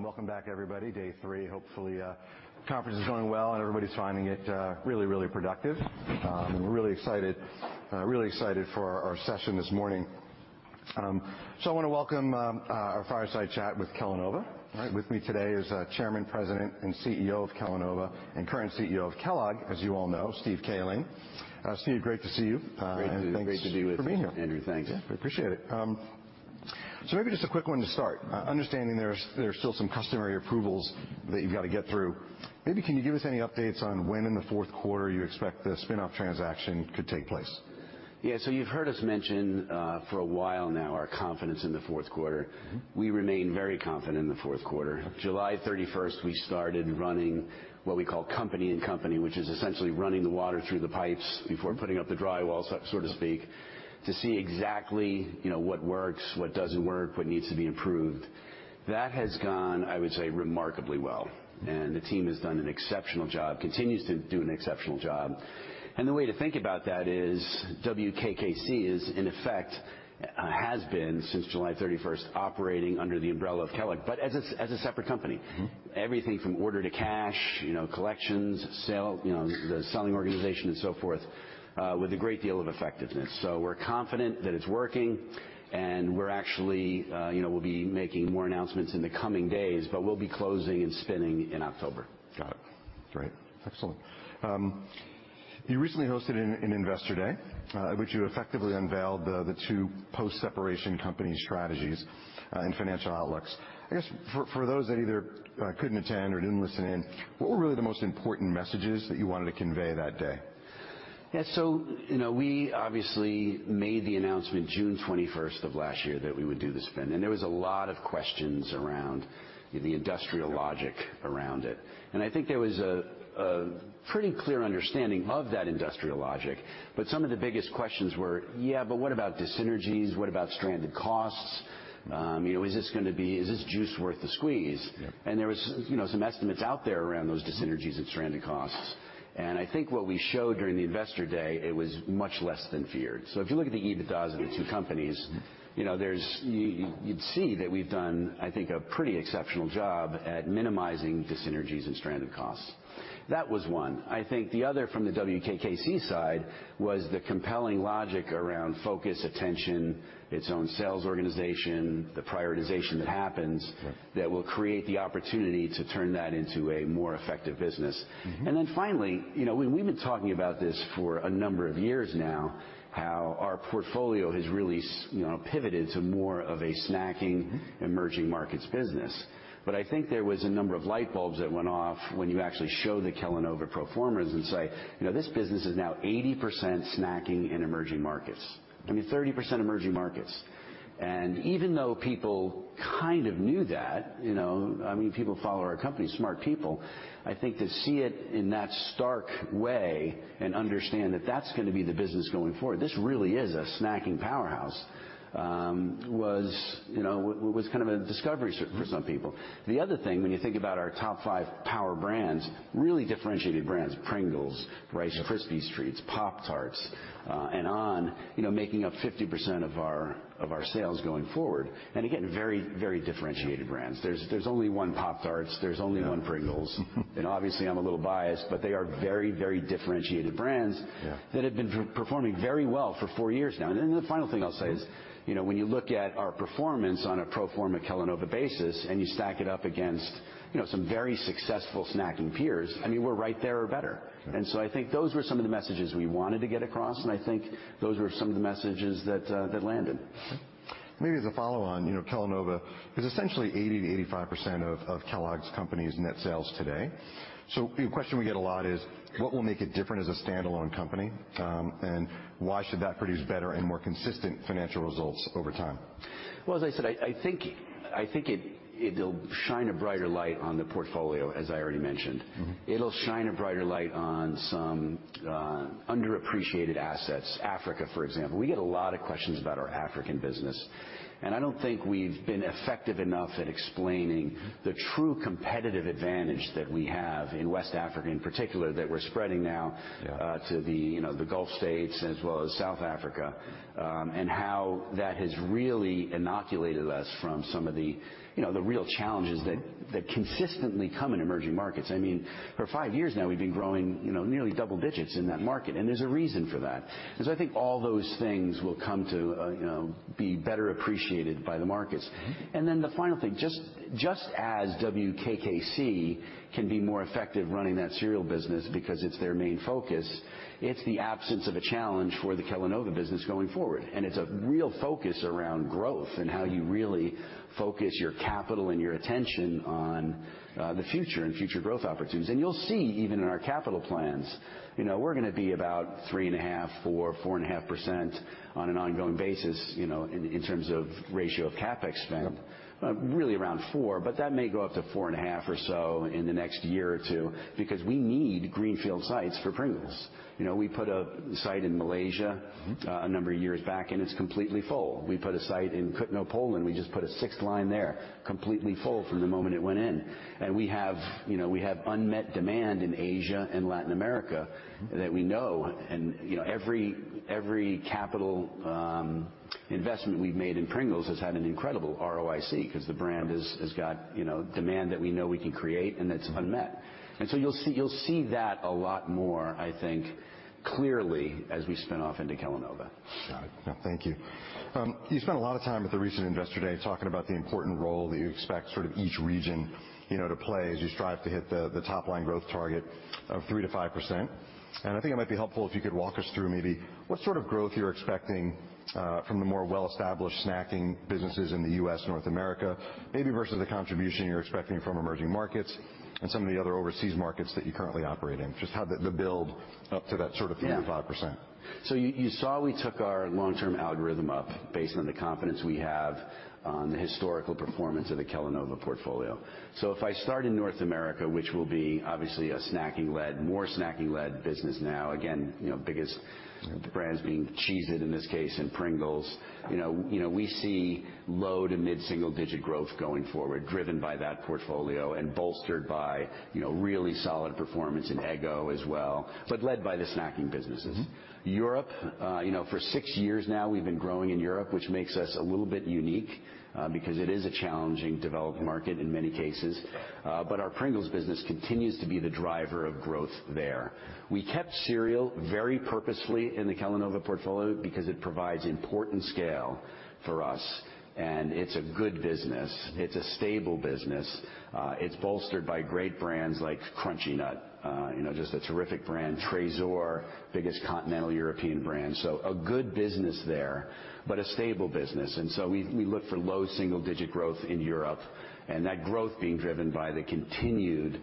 Welcome back, everybody, day three. Hopefully, the conference is going well, and everybody's finding it really, really productive. We're really excited, really excited for our session this morning. So I wanna welcome our fireside chat with Kellanova. All right, with me today is Chairman, President, and CEO of Kellanova, and current CEO of Kellogg, as you all know, Steve Cahillane. Steve, great to see you, and thanks- Great to be with you, Andrew. for being here. Thanks. Yeah, we appreciate it. So maybe just a quick one to start. Understanding there's still some customary approvals that you've gotta get through, maybe can you give us any updates on when in the fourth quarter you expect the spin-off transaction could take place? Yeah, so you've heard us mention, for a while now, our confidence in the fourth quarter. Mm-hmm. We remain very confident in the fourth quarter. July 31st, we started running what we call company-in-company, which is essentially running the water through the pipes before putting up the drywall, so, so to speak, to see exactly, you know, what works, what doesn't work, what needs to be improved. That has gone, I would say, remarkably well, and the team has done an exceptional job, continues to do an exceptional job. And the way to think about that is WKKC is in effect, has been since July 31st, operating under the umbrella of Kellogg, but as a separate company. Mm-hmm. Everything from order to cash, you know, collections, sale, you know, the selling organization and so forth with a great deal of effectiveness. So we're confident that it's working, and we're actually, you know, we'll be making more announcements in the coming days, but we'll be closing and spinning in October. Got it. Great. Excellent. You recently hosted an Investor Day, in which you effectively unveiled the two post-separation company strategies and financial outlooks. I guess for those that either couldn't attend or didn't listen in, what were really the most important messages that you wanted to convey that day? Yeah, so, you know, we obviously made the announcement June 21st of last year that we would do the spin, and there was a lot of questions around the industrial logic around it. And I think there was a pretty clear understanding of that industrial logic, but some of the biggest questions were, "Yeah, but what about dyssynergies? What about stranded costs? You know, is this gonna be... Is this juice worth the squeeze? Yep. And there was, you know, some estimates out there around those dyssynergies and stranded costs, and I think what we showed during the Investor Day, it was much less than feared. So if you look at the EBITDAs of the two companies- Mm-hmm. you know, you'd see that we've done, I think, a pretty exceptional job at minimizing dyssynergies and stranded costs. That was one. I think the other from the WKKC side was the compelling logic around focus, attention, its own sales organization, the prioritization that happens- Sure... that will create the opportunity to turn that into a more effective business. Mm-hmm. Then finally, you know, we, we've been talking about this for a number of years now, how our portfolio has really you know, pivoted to more of a snacking- Mm-hmm... emerging markets business. But I think there was a number of light bulbs that went off when you actually show the Kellanova pro formas and say, "You know, this business is now 80% snacking in emerging markets," I mean, 30% emerging markets. And even though people kind of knew that, you know, I mean, people follow our company, smart people, I think to see it in that stark way and understand that that's gonna be the business going forward, this really is a snacking powerhouse, was, you know, was kind of a discovery for, for some people. The other thing, when you think about our top five power brands, really differentiated brands, Pringles- Yep... Rice Krispies Treats, Pop-Tarts, and on, you know, making up 50% of our, of our sales going forward, and again, very, very differentiated brands. Yeah. There's only one Pop-Tarts. Yeah. There's only one Pringles. And obviously, I'm a little biased, but they are very, very differentiated brands- Yeah... that have been performing very well for four years now. And then the final thing I'll say is, you know, when you look at our performance on a pro forma Kellanova basis, and you stack it up against, you know, some very successful snacking peers, I mean, we're right there or better. Okay. So I think those were some of the messages we wanted to get across, and I think those were some of the messages that that landed. Okay. Maybe as a follow-on, you know, Kellanova is essentially 80%-85% of Kellogg Company's net sales today. So the question we get a lot is: What will make it different as a standalone company? And why should that produce better and more consistent financial results over time? Well, as I said, I think it’ll shine a brighter light on the portfolio, as I already mentioned. Mm-hmm. It'll shine a brighter light on some underappreciated assets. Africa, for example. We get a lot of questions about our African business, and I don't think we've been effective enough at explaining- Mm... the true competitive advantage that we have in West Africa, in particular, that we're spreading now- Yeah... to the, you know, the Gulf States as well as South Africa, and how that has really inoculated us from some of the, you know, the real challenges that consistently come in emerging markets. I mean, for five years now, we've been growing, you know, nearly double digits in that market, and there's a reason for that. Because I think all those things will come to, you know, be better appreciated by the markets. Mm-hmm. Then the final thing, just as WKKC can be more effective running that cereal business because it's their main focus, it's the absence of a challenge for the Kellanova business going forward. It's a real focus around growth and how you really focus your capital and your attention on the future and future growth opportunities. You'll see, even in our capital plans, you know, we're gonna be about 3.5%-4.5% on an ongoing basis, you know, in terms of ratio of CapEx spend. Yep. Really around four, but that may go up to 4.5 or so in the next year or two, because we need greenfield sites for Pringles. You know, we put a site in Malaysia- Mm-hmm... a number of years back, and it's completely full. We put a site in Kutno, Poland. We just put a sixth line there, completely full from the moment it went in. And we have, you know, we have unmet demand in Asia and Latin America- Mm-hmm... that we know, and, you know, every capital investment we've made in Pringles has had an incredible ROIC, 'cause the brand- Right... has got, you know, demand that we know we can create, and that's unmet. Mm-hmm. You'll see, you'll see that a lot more, I think, clearly, as we spin off into Kellanova. Got it. Yeah, thank you. You spent a lot of time at the recent Investor Day talking about the important role that you expect sort of each region, you know, to play as you strive to hit the top line growth target of 3%-5%. I think it might be helpful if you could walk us through maybe what sort of growth you're expecting from the more well-established snacking businesses in the U.S., North America, maybe versus the contribution you're expecting from emerging markets and some of the other overseas markets that you currently operate in. Just how the build up to that sort of 3%-5%. Yeah. So you, you saw we took our long-term algorithm up based on the confidence we have on the historical performance of the Kellanova portfolio. So if I start in North America, which will be obviously a snacking-led, more snacking-led business now, again, you know, biggest- Mm-hmm Brands being Cheez-It, in this case, and Pringles. You know, you know, we see low- to mid-single-digit growth going forward, driven by that portfolio and bolstered by, you know, really solid performance in Eggo as well, but led by the snacking businesses. Mm-hmm. Europe, you know, for six years now, we've been growing in Europe, which makes us a little bit unique, because it is a challenging developed market in many cases. But our Pringles business continues to be the driver of growth there. We kept cereal very purposefully in the Kellanova portfolio because it provides important scale for us, and it's a good business. It's a stable business. It's bolstered by great brands like Crunchy Nut, you know, just a terrific brand. Trésor, biggest continental European brand, so a good business there, but a stable business. And so we, we look for low single digit growth in Europe, and that growth being driven by the continued,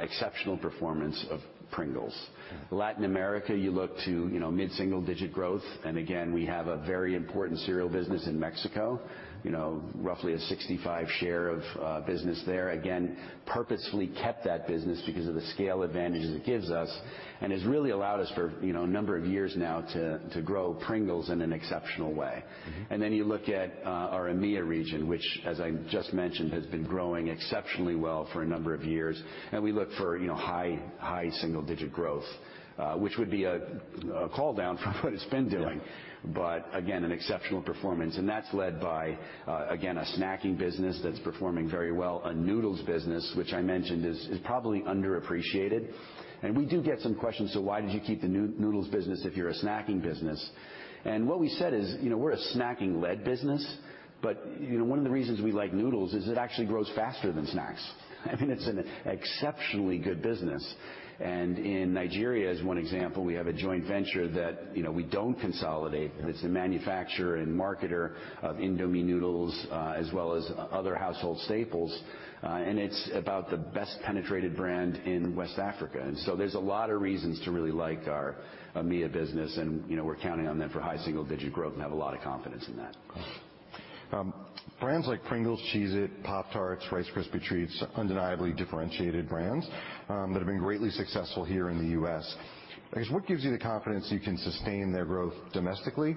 exceptional performance of Pringles. Mm-hmm. Latin America, you look to, you know, mid-single-digit growth, and again, we have a very important cereal business in Mexico. You know, roughly a 65% share of business there. Again, purposefully kept that business because of the scale advantages it gives us and has really allowed us for, you know, a number of years now to grow Pringles in an exceptional way. Mm-hmm. Then you look at our EMEA region, which, as I just mentioned, has been growing exceptionally well for a number of years, and we look for, you know, high single-digit growth, which would be a call down from what it's been doing. Yeah. But again, an exceptional performance, and that's led by again, a snacking business that's performing very well, a noodles business, which I mentioned is probably underappreciated. And we do get some questions, "So why did you keep the noodles business if you're a snacking business?" And what we said is, you know, "We're a snacking-led business, but, you know, one of the reasons we like noodles is it actually grows faster than snacks." I mean, it's an exceptionally good business. And in Nigeria, as one example, we have a joint venture that, you know, we don't consolidate. Mm-hmm. It's a manufacturer and marketer of Indomie noodles, as well as other household staples, and it's about the best penetrated brand in West Africa. And so there's a lot of reasons to really like our EMEA business, and, you know, we're counting on them for high single digit growth and have a lot of confidence in that. Brands like Pringles, Cheez-It, Pop-Tarts, Rice Krispies Treats, undeniably differentiated brands, that have been greatly successful here in the U.S. I guess, what gives you the confidence you can sustain their growth domestically,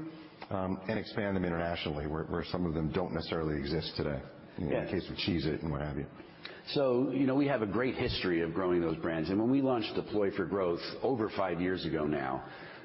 and expand them internationally, where some of them don't necessarily exist today? Yeah. You know, in the case of Cheez-It and what have you. So, you know, we have a great history of growing those brands, and when we launched Deploy for Growth over five years ago now,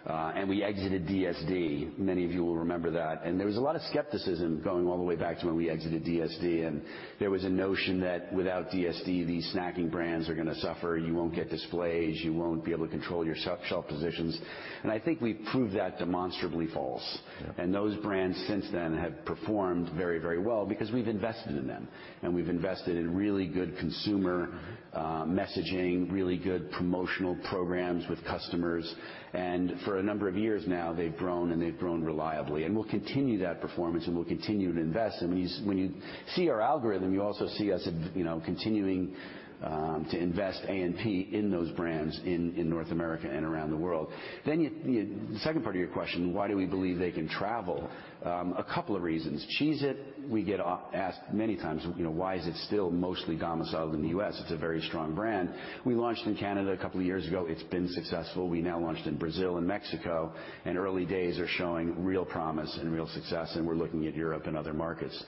and we exited DSD, many of you will remember that, and there was a lot of skepticism going all the way back to when we exited DSD, and there was a notion that without DSD, these snacking brands are gonna suffer. You won't get displays. You won't be able to control your shelf positions, and I think we've proved that demonstrably false. Yeah. And those brands since then have performed very, very well because we've invested in them, and we've invested in really good consumer messaging, really good promotional programs with customers, and for a number of years now, they've grown, and they've grown reliably. And we'll continue that performance, and we'll continue to invest in these... When you see our algorithm, you also see us in, you know, continuing to invest A&P in those brands in North America and around the world. Then you, the second part of your question, why do we believe they can travel? A couple of reasons. Cheez-It, we get asked many times, you know, why is it still mostly domiciled in the U.S.? It's a very strong brand. We launched in Canada a couple of years ago. It's been successful. We now launched in Brazil and Mexico, and early days are showing real promise and real success, and we're looking at Europe and other markets.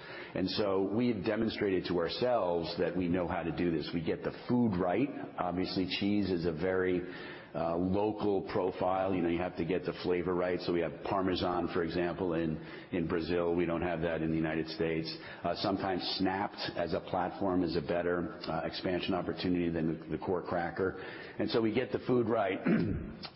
So we have demonstrated to ourselves that we know how to do this. We get the food right. Obviously, cheese is a very local profile. You know, you have to get the flavor right, so we have Parmesan, for example, in Brazil. We don't have that in the United States. Sometimes snack as a platform is a better expansion opportunity than the core cracker. So we get the food right,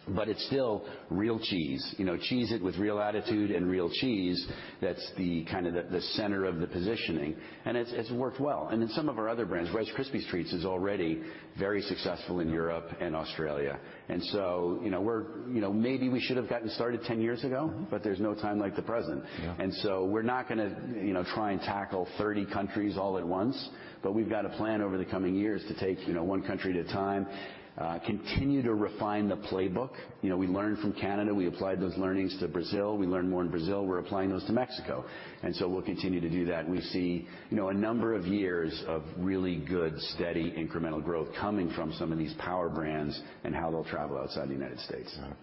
but it's still real cheese. You know, Cheez-It with real attitude and real cheese, that's the kind of the center of the positioning, and it's worked well. And in some of our other brands, Rice Krispies Treats is already very successful- Yeah -in Europe and Australia. So, you know, we're, you know, maybe we should have gotten started 10 years ago- Mm-hmm. But there's no time like the present. Yeah. And so we're not gonna, you know, try and tackle 30 countries all at once, but we've got a plan over the coming years to take, you know, one country at a time, continue to refine the playbook. You know, we learned from Canada. We applied those learnings to Brazil. We learned more in Brazil. We're applying those to Mexico, and so we'll continue to do that. We see, you know, a number of years of really good, steady, incremental growth coming from some of these power brands and how they'll travel outside the United States. And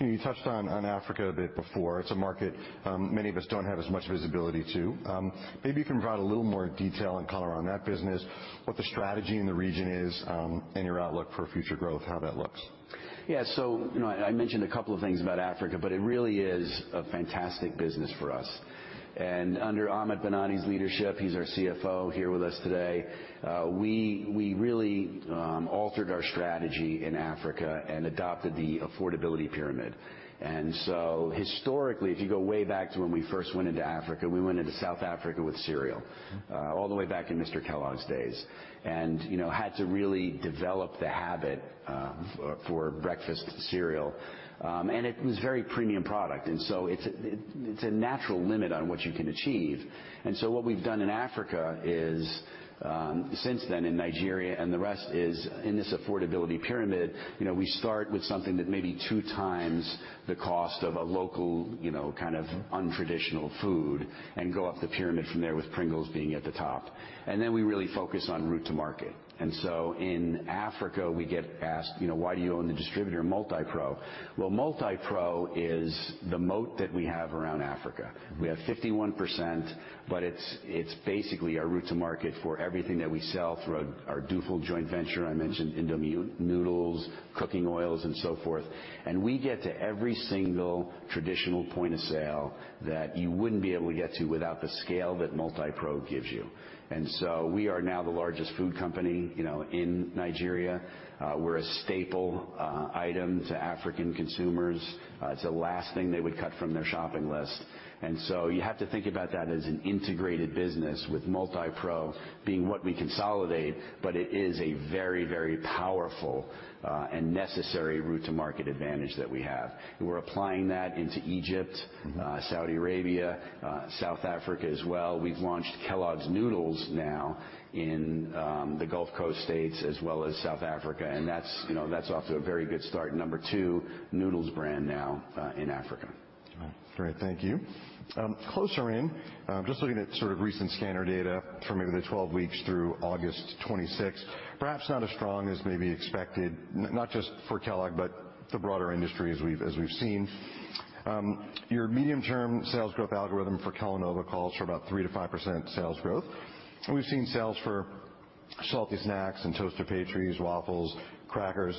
you touched on, on Africa a bit before. It's a market many of us don't have as much visibility to. Maybe you can provide a little more detail and color on that business, what the strategy in the region is, and your outlook for future growth, how that looks? Yeah, so you know, I mentioned a couple of things about Africa, but it really is a fantastic business for us. And under Amit Banati's leadership, he's our CFO here with us today, we really altered our strategy in Africa and adopted the Affordability Pyramid. And so historically, if you go way back to when we first went into Africa, we went into South Africa with cereal- Mm-hmm... all the way back in Mr. Kellogg's days, and, you know, had to really develop the habit, for, for breakfast cereal.... and it was very premium product, and so it's a, it, it's a natural limit on what you can achieve. And so what we've done in Africa is, since then in Nigeria and the rest is, in this affordability pyramid, you know, we start with something that may be two times the cost of a local, you know, kind of untraditional food, and go up the pyramid from there, with Pringles being at the top. And then we really focus on route to market. And so in Africa, we get asked, you know, "Why do you own the distributor, Multipro?" Well, Multipro is the moat that we have around Africa. We have 51%, but it's, it's basically our route to market for everything that we sell through our Dufil joint venture. I mentioned Indomie noodles, cooking oils, and so forth, and we get to every single traditional point of sale that you wouldn't be able to get to without the scale that Multipro gives you. And so we are now the largest food company, you know, in Nigeria. We're a staple item to African consumers. It's the last thing they would cut from their shopping list. And so you have to think about that as an integrated business with Multipro being what we consolidate, but it is a very, very powerful and necessary route to market advantage that we have. And we're applying that into Egypt, Saudi Arabia, South Africa as well. We've launched Kellogg's Noodles now in the Gulf States as well as South Africa, and that's, you know, that's off to a very good start. Number two noodles brand now in Africa. All right. Great, thank you. Closer in, just looking at sort of recent scanner data for maybe the 12 weeks through August 26th, perhaps not as strong as maybe expected, not just for Kellogg, but the broader industry as we've seen. Your medium-term sales growth algorithm for Kellanova calls for about 3%-5% sales growth, and we've seen sales for salty snacks and toaster pastries, waffles, crackers,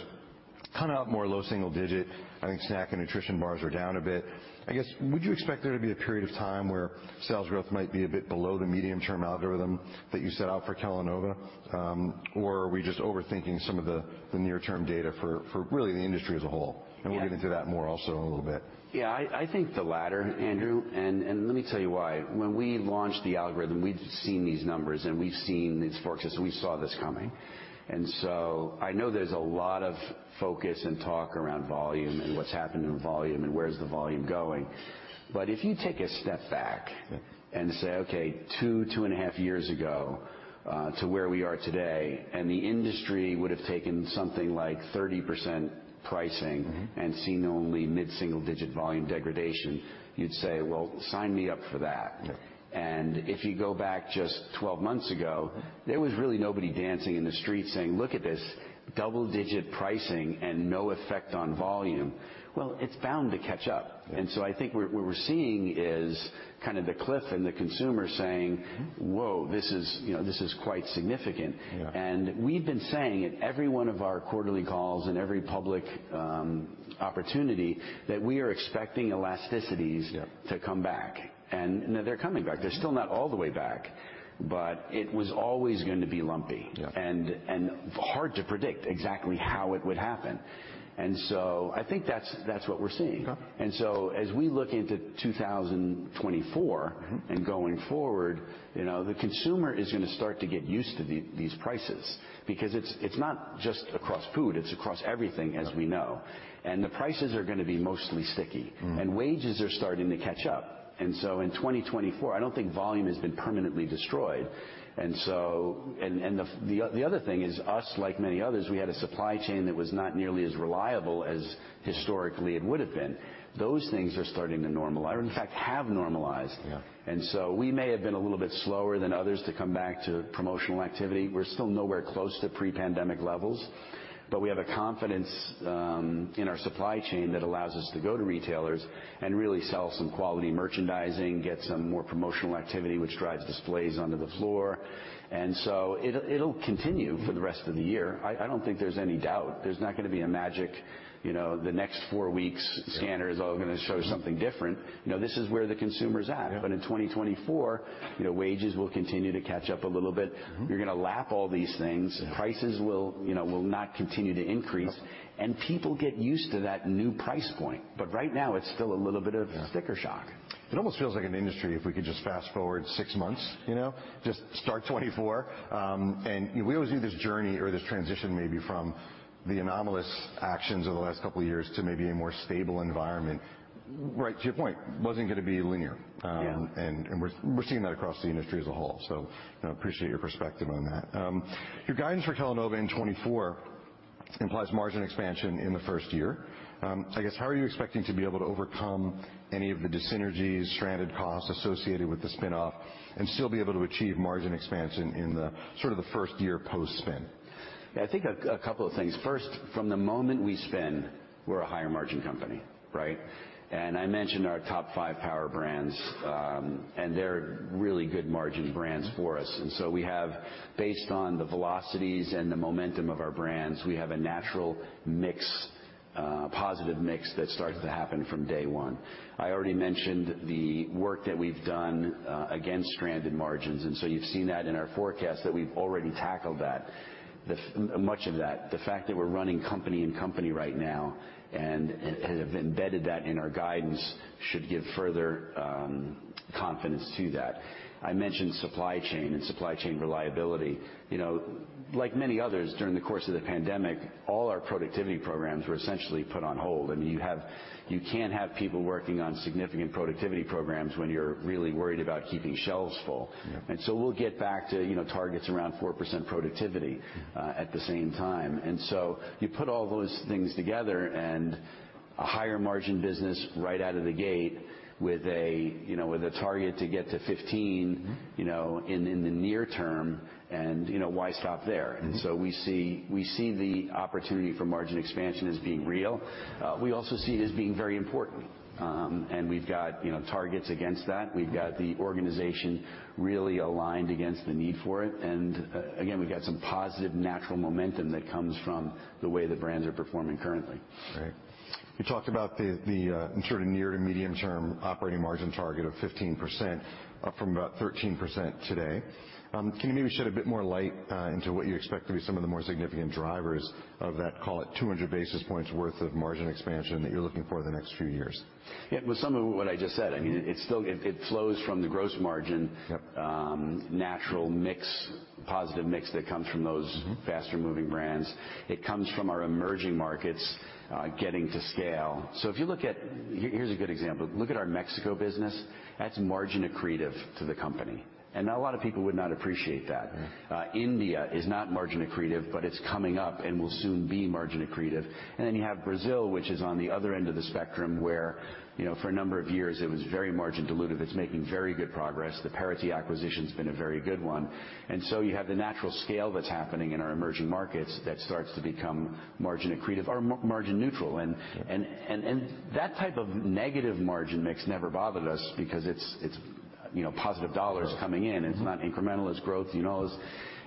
kind of up more low single digit. I think snack and nutrition bars are down a bit. I guess, would you expect there to be a period of time where sales growth might be a bit below the medium-term algorithm that you set out for Kellanova, or are we just overthinking some of the, the near-term data for, for really the industry as a whole? Yeah. We'll get into that more also in a little bit. Yeah, I think the latter, Andrew, and let me tell you why. When we launched the algorithm, we'd seen these numbers, and we've seen this fortress, and we saw this coming. And so I know there's a lot of focus and talk around volume and what's happened in volume and where's the volume going, but if you take a step back- Yeah... and say, okay, two, 2.5 years ago to where we are today, and the industry would've taken something like 30% pricing- Mm-hmm... and seen only mid-single-digit volume degradation, you'd say, "Well, sign me up for that. Yeah. And if you go back just 12 months ago, there was really nobody dancing in the street saying, "Look at this double-digit pricing and no effect on volume." Well, it's bound to catch up. Yeah. And so I think what, what we're seeing is kind of the cliff and the consumer saying- Mm-hmm... "Whoa, this is, you know, this is quite significant. Yeah. We've been saying at every one of our quarterly calls and every public opportunity that we are expecting elasticities- Yeah... to come back, and they're coming back. Yeah. They're still not all the way back, but it was always gonna be lumpy- Yeah... and hard to predict exactly how it would happen. And so I think that's what we're seeing. Okay. As we look into 2024- Mm-hmm... and going forward, you know, the consumer is gonna start to get used to these prices because it's, it's not just across food, it's across everything, as we know. Yeah. The prices are gonna be mostly sticky. Mm-hmm. Wages are starting to catch up. So in 2024, I don't think volume has been permanently destroyed. And the other thing is, us, like many others, we had a supply chain that was not nearly as reliable as historically it would've been. Those things are starting to normalize, or in fact, have normalized. Yeah. We may have been a little bit slower than others to come back to promotional activity. We're still nowhere close to pre-pandemic levels, but we have a confidence in our supply chain that allows us to go to retailers and really sell some quality merchandising, get some more promotional activity, which drives displays onto the floor, and so it'll continue for the rest of the year. I don't think there's any doubt. There's not gonna be a magic, you know, the next four weeks- Yeah... scanner is all gonna show something different. Mm-hmm. You know, this is where the consumer's at. Yeah. But in 2024, you know, wages will continue to catch up a little bit. Mm-hmm. You're gonna lap all these things. Yeah. Prices will, you know, will not continue to increase. Yeah. People get used to that new price point, but right now it's still a little bit of- Yeah... sticker shock. It almost feels like an industry, if we could just fast forward six months, you know? Just start 2024. And we always view this journey or this transition, maybe from the anomalous actions over the last couple of years to maybe a more stable environment, right to your point, wasn't gonna be linear. Yeah. And we're seeing that across the industry as a whole, so, you know, appreciate your perspective on that. Your guidance for Kellanova in 2024 implies margin expansion in the first year. I guess, how are you expecting to be able to overcome any of the dyssynergies, stranded costs associated with the spinoff, and still be able to achieve margin expansion in the sort of the first year post-spin? Yeah, I think a couple of things. First, from the moment we spin, we're a higher margin company, right? And I mentioned our top five power brands, and they're really good margin brands for us, and so we have, based on the velocities and the momentum of our brands, we have a natural positive mix that starts to happen from day one. I already mentioned the work that we've done against stranded margins, and so you've seen that in our forecast that we've already tackled that. Much of that, the fact that we're running Company in Company right now, and have embedded that in our guidance, should give further confidence to that. I mentioned supply chain and supply chain reliability. You know, like many others, during the course of the pandemic, all our productivity programs were essentially put on hold, and you can't have people working on significant productivity programs when you're really worried about keeping shelves full. Yep. And so we'll get back to, you know, targets around 4% productivity at the same time. And so you put all those things together, and a higher margin business right out of the gate with a, you know, with a target to get to fifteen- Mm-hmm. you know, in the near term, and, you know, why stop there? Mm-hmm. And so we see, we see the opportunity for margin expansion as being real. We also see it as being very important. And we've got, you know, targets against that. We've got the organization really aligned against the need for it, and again, we've got some positive natural momentum that comes from the way the brands are performing currently. Right. You talked about the sort of near to medium term operating margin target of 15%, up from about 13% today. Can you maybe shed a bit more light into what you expect to be some of the more significant drivers of that, call it, 200 basis points worth of margin expansion that you're looking for in the next few years? Yeah, with some of what I just said, I mean, it still... It flows from the gross margin- Yep. natural mix, positive mix that comes from those- Mm-hmm. Faster moving brands. It comes from our emerging markets, getting to scale. So if you look at... Here, here's a good example. Look at our Mexico business. That's margin accretive to the company, and not a lot of people would not appreciate that. Right. India is not margin accretive, but it's coming up and will soon be margin accretive. Then you have Brazil, which is on the other end of the spectrum, where, you know, for a number of years it was very margin dilutive. It's making very good progress. The Parati acquisition's been a very good one. And so you have the natural scale that's happening in our emerging markets that starts to become margin accretive or margin neutral. Yep. that type of negative margin mix never bothered us because it's, you know, positive dollars coming in. Mm-hmm. It's not incremental. It's growth, you know.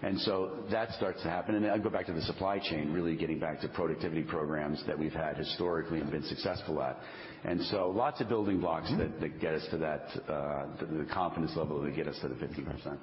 And so that starts to happen. And I'd go back to the supply chain, really getting back to productivity programs that we've had historically and been successful at. And so lots of building blocks- Mm-hmm that gets us to the confidence level that gets us to the 15%.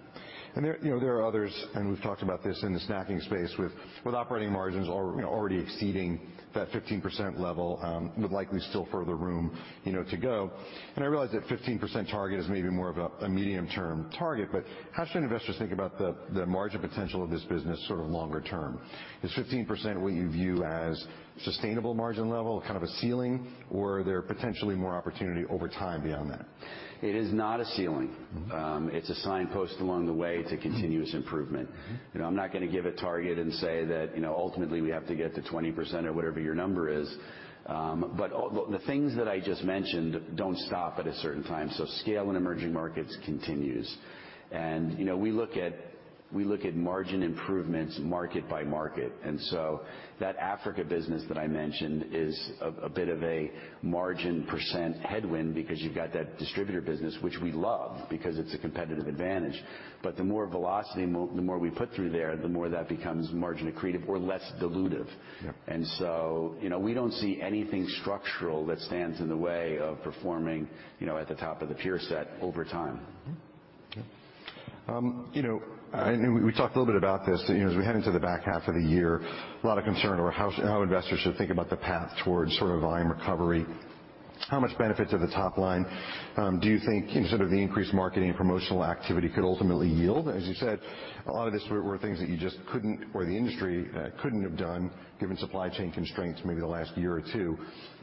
There, you know, there are others, and we've talked about this in the snacking space, with, with operating margins al- you know, already exceeding that 15% level, with likely still further room, you know, to go. I realize that 15% target is maybe more of a, a medium-term target, but how should investors think about the, the margin potential of this business sort of longer term? Is 15% what you view as sustainable margin level, kind of a ceiling, or are there potentially more opportunity over time beyond that? It is not a ceiling. Mm-hmm. It's a signpost along the way to continuous improvement. Mm-hmm. You know, I'm not gonna give a target and say that, you know, ultimately, we have to get to 20% or whatever your number is, but all the things that I just mentioned don't stop at a certain time, so scale in emerging markets continues. And, you know, we look at margin improvements market by market, and so that Africa business that I mentioned is a bit of a margin percent headwind because you've got that distributor business, which we love because it's a competitive advantage. But the more velocity, the more we put through there, the more that becomes margin accretive or less dilutive. Yep. And so, you know, we don't see anything structural that stands in the way of performing, you know, at the top of the peer set over time. Mm-hmm. Yep. You know, and we talked a little bit about this. You know, as we head into the back half of the year, a lot of concern over how investors should think about the path towards sort of volume recovery. How much benefit to the top line do you think, in sort of the increased marketing and promotional activity, could ultimately yield? As you said, a lot of this were things that you just couldn't, or the industry, couldn't have done, given supply chain constraints, maybe the last year or two.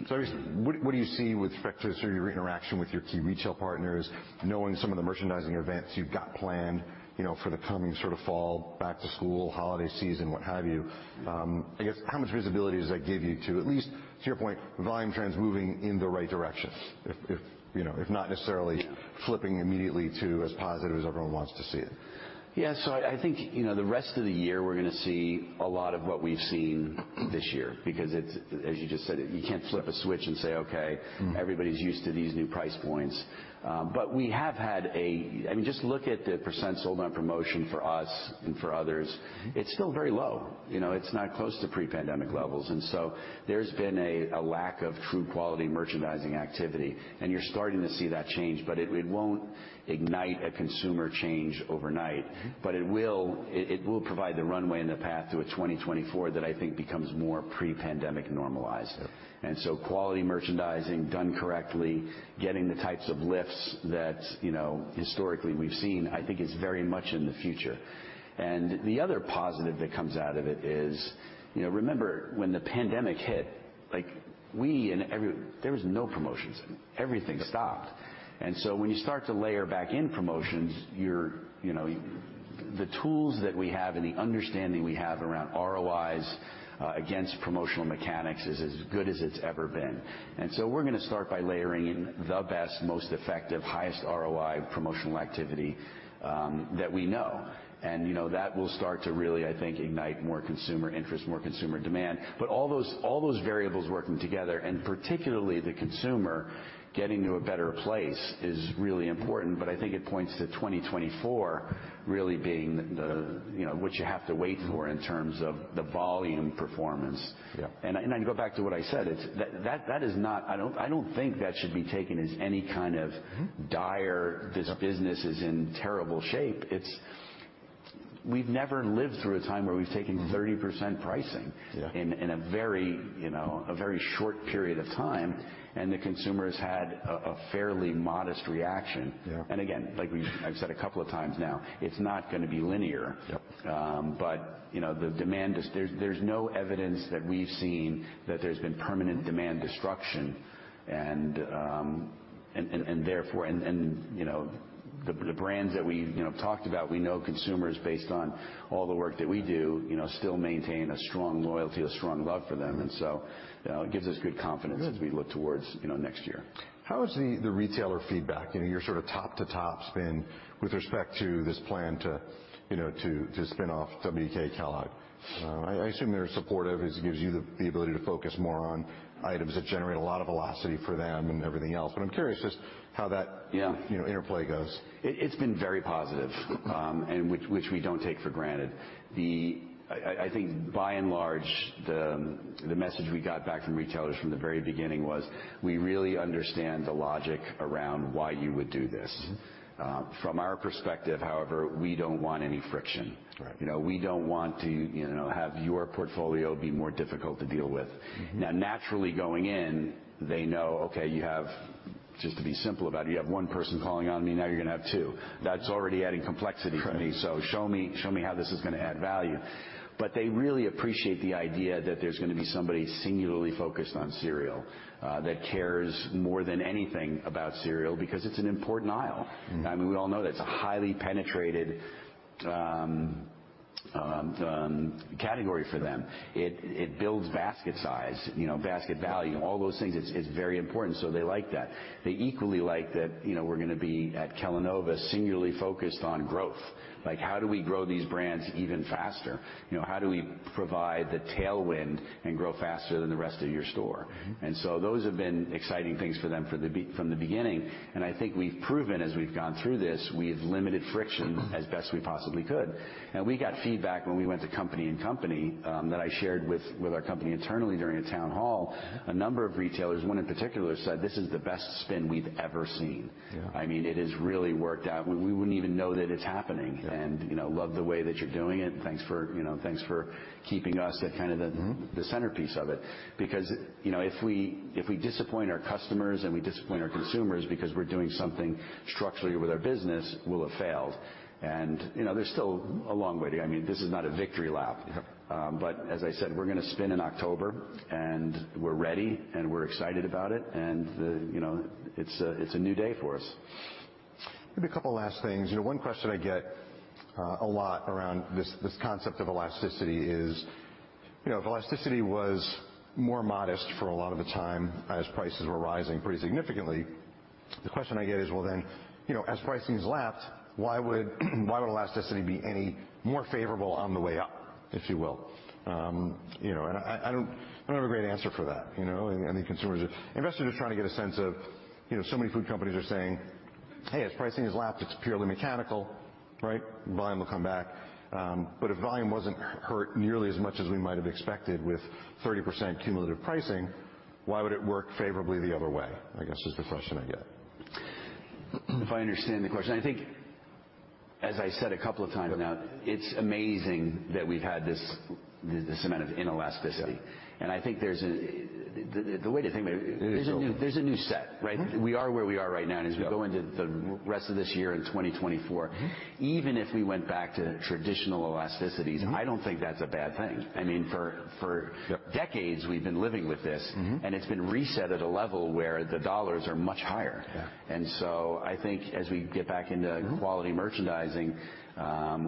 What do you see with respect to sort of your interaction with your key retail partners, knowing some of the merchandising events you've got planned, you know, for the coming sort of fall, back to school, holiday season, what have you? I guess, how much visibility does that give you to at least, to your point, volume trends moving in the right direction, if you know, if not necessarily- Yeah Flipping immediately to as positive as everyone wants to see it? Yeah, so I think, you know, the rest of the year, we're gonna see a lot of what we've seen this year because it's, as you just said, you can't flip a switch and say, "Okay- Mm. everybody's used to these new price points." But we have had a... I mean, just look at the % sold on promotion for us and for others. Mm-hmm. It's still very low. You know, it's not close to pre-pandemic levels, and so there's been a lack of true quality merchandising activity, and you're starting to see that change, but it won't ignite a consumer change overnight. Mm. But it will provide the runway and the path to a 2024 that I think becomes more pre-pandemic normalized. Yep. And so quality merchandising, done correctly, getting the types of lifts that, you know, historically we've seen, I think is very much in the future. And the other positive that comes out of it is, you know, remember when the pandemic hit, like, we and every... There was no promotions. Everything stopped. Yep. And so when you start to layer back in promotions, you're, you know... The tools that we have and the understanding we have around ROIs against promotional mechanics is as good as it's ever been. And so we're gonna start by layering in the best, most effective, highest ROI promotional activity that we know. And, you know, that will start to really, I think, ignite more consumer interest, more consumer demand. But all those, all those variables working together, and particularly the consumer getting to a better place, is really important, but I think it points to 2024 really being the, the, you know, what you have to wait for- Mm in terms of the volume performance. Yep. I can go back to what I said. It's... That is not, I don't think that should be taken as any kind of- Mm-hmm dire, "This business is in terrible shape." It's... we've never lived through a time where we've taken 30% pricing- Yeah. in, in a very, you know, a very short period of time, and the consumer's had a fairly modest reaction. Yeah. Again, like I've said a couple of times now, it's not gonna be linear. Yep. But, you know, the demand is, there's no evidence that we've seen that there's been permanent demand destruction. And therefore, you know, the brands that we, you know, talked about, we know consumers, based on all the work that we do, you know, still maintain a strong loyalty, a strong love for them. Mm-hmm. And so, you know, it gives us good confidence- Good. -as we look toward, you know, next year. How is the retailer feedback? You know, your sort of top-to-top spin with respect to this plan to, you know, spin off WK Kellogg. I assume they're supportive, as it gives you the ability to focus more on items that generate a lot of velocity for them and everything else, but I'm curious just how that- Yeah... you know, interplay goes. It's been very positive, and which we don't take for granted. I think by and large, the message we got back from retailers from the very beginning was: We really understand the logic around why you would do this. Mm-hmm. From our perspective, however, we don't want any friction. Right. You know, we don't want to, you know, have your portfolio be more difficult to deal with. Mm-hmm. Now, naturally, going in, they know, okay, you have, just to be simple about it, you have one person calling on me, now you're gonna have two. That's already adding complexity for me. Right. So show me, show me how this is gonna add value. But they really appreciate the idea that there's gonna be somebody singularly focused on cereal, that cares more than anything about cereal, because it's an important aisle. Mm-hmm. I mean, we all know that. It's a highly penetrated category for them. It builds basket size, you know, basket value, all those things. It's very important, so they like that. They equally like that, you know. We're gonna be at Kellanova singularly focused on growth. Like, how do we grow these brands even faster? You know, how do we provide the tailwind and grow faster than the rest of your store? Mm-hmm. And so those have been exciting things for them from the beginning, and I think we've proven, as we've gone through this, we have limited friction. Mm-hmm... as best we possibly could. And we got feedback when we went to Company in Company, that I shared with our company internally during a town hall. Mm. A number of retailers, one in particular, said, "This is the best spin we've ever seen. Yeah. I mean, it has really worked out. We wouldn't even know that it's happening- Yeah. ... and, you know, love the way that you're doing it, and thanks for, you know, thanks for keeping us at kind of the- Mm-hmm... the centerpiece of it." Because, you know, if we disappoint our customers, and we disappoint our consumers because we're doing something structurally with our business, we'll have failed. And, you know, there's still a long way to go. I mean, this is not a victory lap. Yep. But as I said, we're gonna spin in October, and we're ready, and we're excited about it, and you know, it's a new day for us. Maybe a couple last things. You know, one question I get a lot around this, this concept of elasticity is, you know, if elasticity was more modest for a lot of the time as prices were rising pretty significantly, the question I get is: Well, then, you know, as pricing has lapsed, why would, why would elasticity be any more favorable on the way up, if you will? You know, and I, I, I don't have a great answer for that, you know? And, I think consumers are... Investors are just trying to get a sense of, you know, so many food companies are saying, "Hey, as pricing has lapsed, it's purely mechanical, right? Volume will come back." But if volume wasn't hurt nearly as much as we might have expected with 30% cumulative pricing, why would it work favorably the other way? I guess, is the question I get. If I understand the question, I think, as I said a couple of times now, it's amazing that we've had this, this amount of inelasticity. Yeah. And I think there's a... The way to think about it- It is- There's a new set, right? Mm-hmm. We are where we are right now. Yeah. And as we go into the rest of this year and 2024- Mm-hmm... even if we went back to traditional elasticities- Mm-hmm... I don't think that's a bad thing. I mean, for- Yep... decades, we've been living with this- Mm-hmm... and it's been reset at a level where the dollars are much higher. Yeah. And so I think as we get back into- Mm... quality merchandising,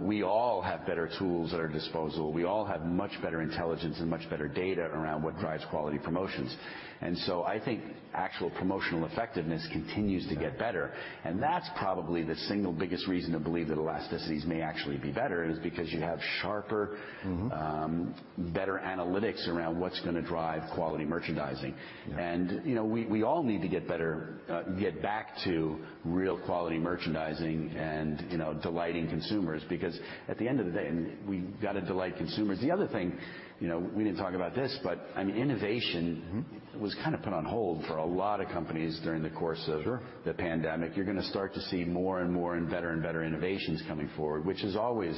we all have better tools at our disposal. We all have much better intelligence and much better data around what drives quality promotions. And so I think actual promotional effectiveness continues to get better, and that's probably the single biggest reason to believe that elasticities may actually be better, is because you have sharper- Mm-hmm... better analytics around what's gonna drive quality merchandising. Yeah. You know, we all need to get better, get back to real quality merchandising and, you know, delighting consumers because at the end of the day, I mean, we've got to delight consumers. The other thing, you know, we didn't talk about this, but, I mean, innovation- Mm-hmm... was kind of put on hold for a lot of companies during the course of- Sure... the pandemic. You're gonna start to see more and more and better and better innovations coming forward, which is always,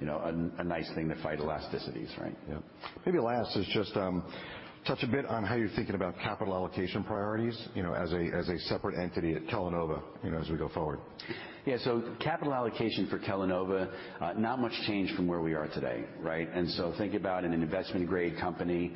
you know, a nice thing to fight elasticities, right? Yep. Maybe last is just touch a bit on how you're thinking about capital allocation priorities, you know, as a, as a separate entity at Kellanova, you know, as we go forward. Yeah, so capital allocation for Kellanova, not much change from where we are today, right? And so think about an investment-grade company,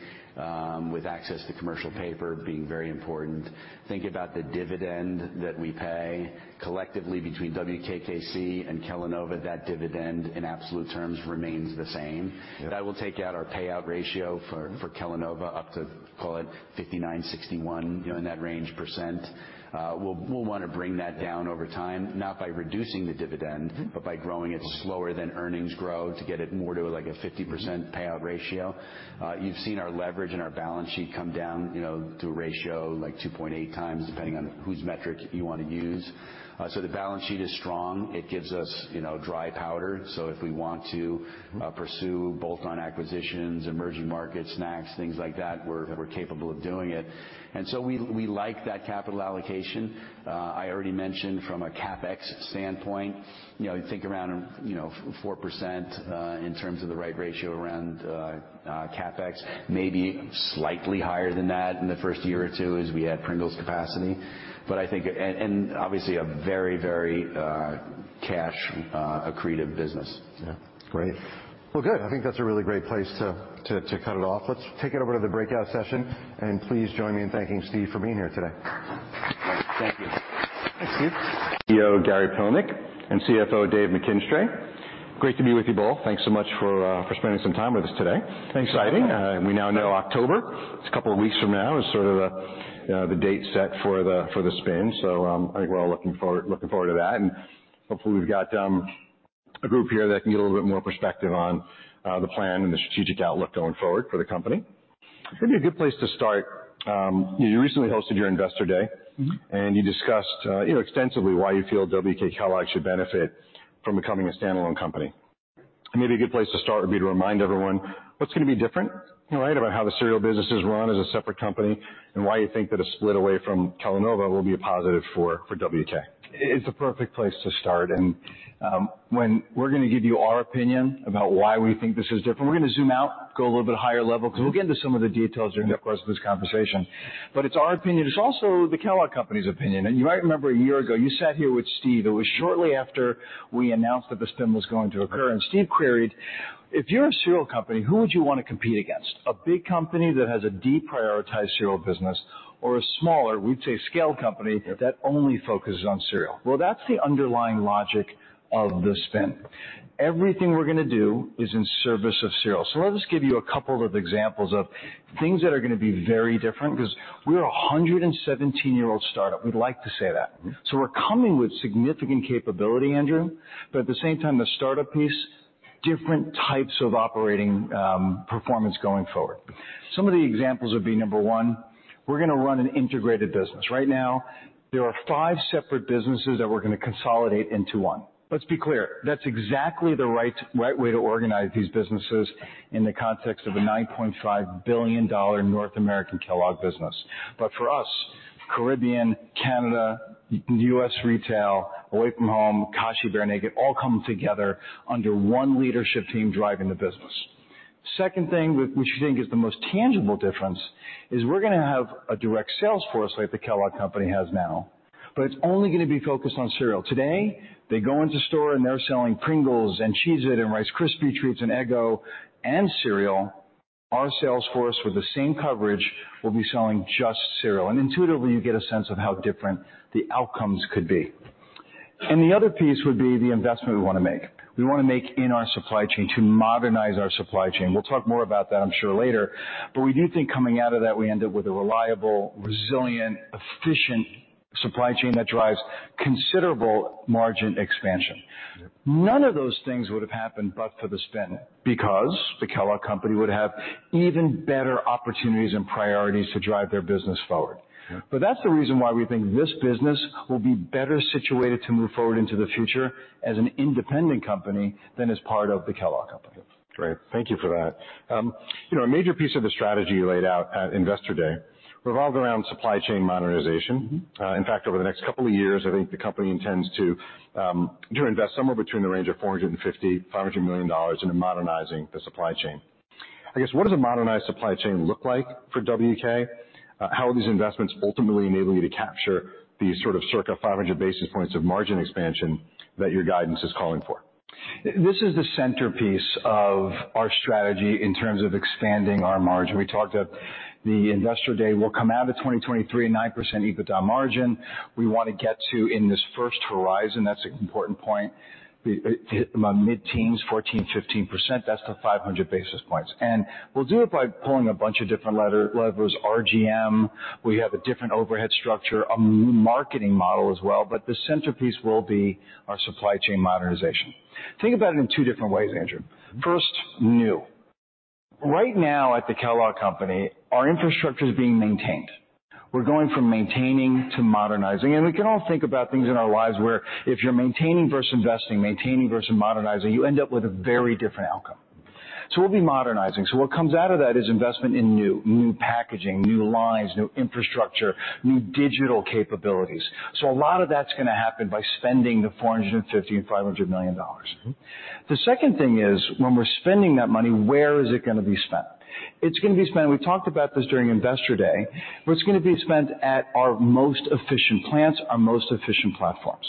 with access to commercial paper being very important. Think about the dividend that we pay. Collectively, between WKKC and Kellanova, that dividend, in absolute terms, remains the same. Yep. That will take out our payout ratio for- Mm... for Kellanova up to, call it 59-61, you know, in that range, %. We'll, we'll wanna bring that down over time, not by reducing the dividend- Mm-hmm... but by growing it slower than earnings grow, to get it more to, like, a 50% payout ratio. You've seen our leverage and our balance sheet come down, you know, to a ratio like 2.8 times, depending on whose metric you want to use. So the balance sheet is strong. It gives us, you know, dry powder, so if we want to pursue both on acquisitions, emerging markets, snacks, things like that, we're, we're capable of doing it. And so we, we like that capital allocation. I already mentioned from a CapEx standpoint, you know, you think around, you know, 4%, uh, in terms of the right ratio around, uh, uh, CapEx, maybe slightly higher than that in the first year or two as we add Pringles capacity. But I think—and, and obviously, a very, very cash accretive business. Yeah, great. Well, good. I think that's a really great place to cut it off. Let's take it over to the breakout session, and please join me in thanking Steve for being here today. Thank you. Thanks, Steve. CEO Gary Pilnick and CFO David McKinstry. Great to be with you both. Thanks so much for spending some time with us today. Thanks. Exciting. We now know October, it's a couple of weeks from now, is sort of the date set for the spin. So, I think we're all looking forward, looking forward to that, and hopefully, we've got a group here that can get a little bit more perspective on the plan and the strategic outlook going forward for the company. Maybe a good place to start, you recently hosted your Investor Day. Mm-hmm. You discussed, you know, extensively, why you feel WK Kellogg should benefit from becoming a standalone company. Maybe a good place to start would be to remind everyone what's going to be different, all right, about how the cereal business is run as a separate company, and why you think that a split away from Kellanova will be a positive for, for WK. It's a perfect place to start, and when we're gonna give you our opinion about why we think this is different, we're gonna zoom out, go a little bit higher level, because we'll get into some of the details during the course of this conversation. But it's our opinion. It's also the Kellogg Company's opinion, and you might remember a year ago, you sat here with Steve. It was shortly after we announced that the spin was going to occur, and Steve queried: "If you're a cereal company, who would you want to compete against? A big company that has a deprioritized cereal business or a smaller, we'd say, scale company that only focuses on cereal?" Well, that's the underlying logic of the spin. Everything we're gonna do is in service of cereal. So let us give you a couple of examples of things that are gonna be very different, because we're a 117-year-old startup. We'd like to say that. So we're coming with significant capability, Andrew, but at the same time, the startup piece, different types of operating performance going forward. Some of the examples would be, number one, we're gonna run an integrated business. Right now, there are five separate businesses that we're gonna consolidate into one. Let's be clear. That's exactly the right way to organize these businesses in the context of a $9.5 billion-dollar North American Kellogg business. But for us, Caribbean, Canada, U.S. retail, away from home, Kashi, Bear Naked, all come together under one leadership team driving the business. Second thing, which we think is the most tangible difference, is we're gonna have a direct sales force like the Kellogg Company has now, but it's only gonna be focused on cereal. Today, they go into store, and they're selling Pringles and Cheez-It and Rice Krispies Treats and Eggo and cereal. Our sales force, with the same coverage, will be selling just cereal. And the other piece would be the investment we want to make. We want to make in our supply chain, to modernize our supply chain. We'll talk more about that, I'm sure, later, but we do think coming out of that, we end up with a reliable, resilient, efficient supply chain that drives considerable margin expansion. None of those things would have happened but for the spin, because the Kellogg Company would have even better opportunities and priorities to drive their business forward. Yeah. That's the reason why we think this business will be better situated to move forward into the future as an independent company than as part of the Kellogg Company. Great. Thank you for that. You know, a major piece of the strategy you laid out at Investor Day revolved around supply chain modernization. Mm-hmm. In fact, over the next couple of years, I think the company intends to invest somewhere between the range of $450 million-$500 million into modernizing the supply chain. I guess, what does a modernized supply chain look like for WK? How are these investments ultimately enabling you to capture these sort of circa 500 basis points of margin expansion that your guidance is calling for? This is the centerpiece of our strategy in terms of expanding our margin. We talked at the Investor Day, we'll come out of 2023, 9% EBITDA margin. We want to get to, in this first horizon, that's an important point, the mid-teens, 14%-15%. That's the 500 basis points. And we'll do it by pulling a bunch of different lever, levers, RGM. We have a different overhead structure, a marketing model as well, but the centerpiece will be our supply chain modernization. Think about it in two different ways, Andrew. First, new. Right now, at the Kellogg Company, our infrastructure is being maintained. We're going from maintaining to modernizing, and we can all think about things in our lives where if you're maintaining versus investing, maintaining versus modernizing, you end up with a very different outcome. So we'll be modernizing. So what comes out of that is investment in new, new packaging, new lines, new infrastructure, new digital capabilities. So a lot of that's gonna happen by spending the $450 million-$500 million. The second thing is, when we're spending that money, where is it gonna be spent? It's gonna be spent... We talked about this during Investor Day, but it's gonna be spent at our most efficient plants, our most efficient platforms.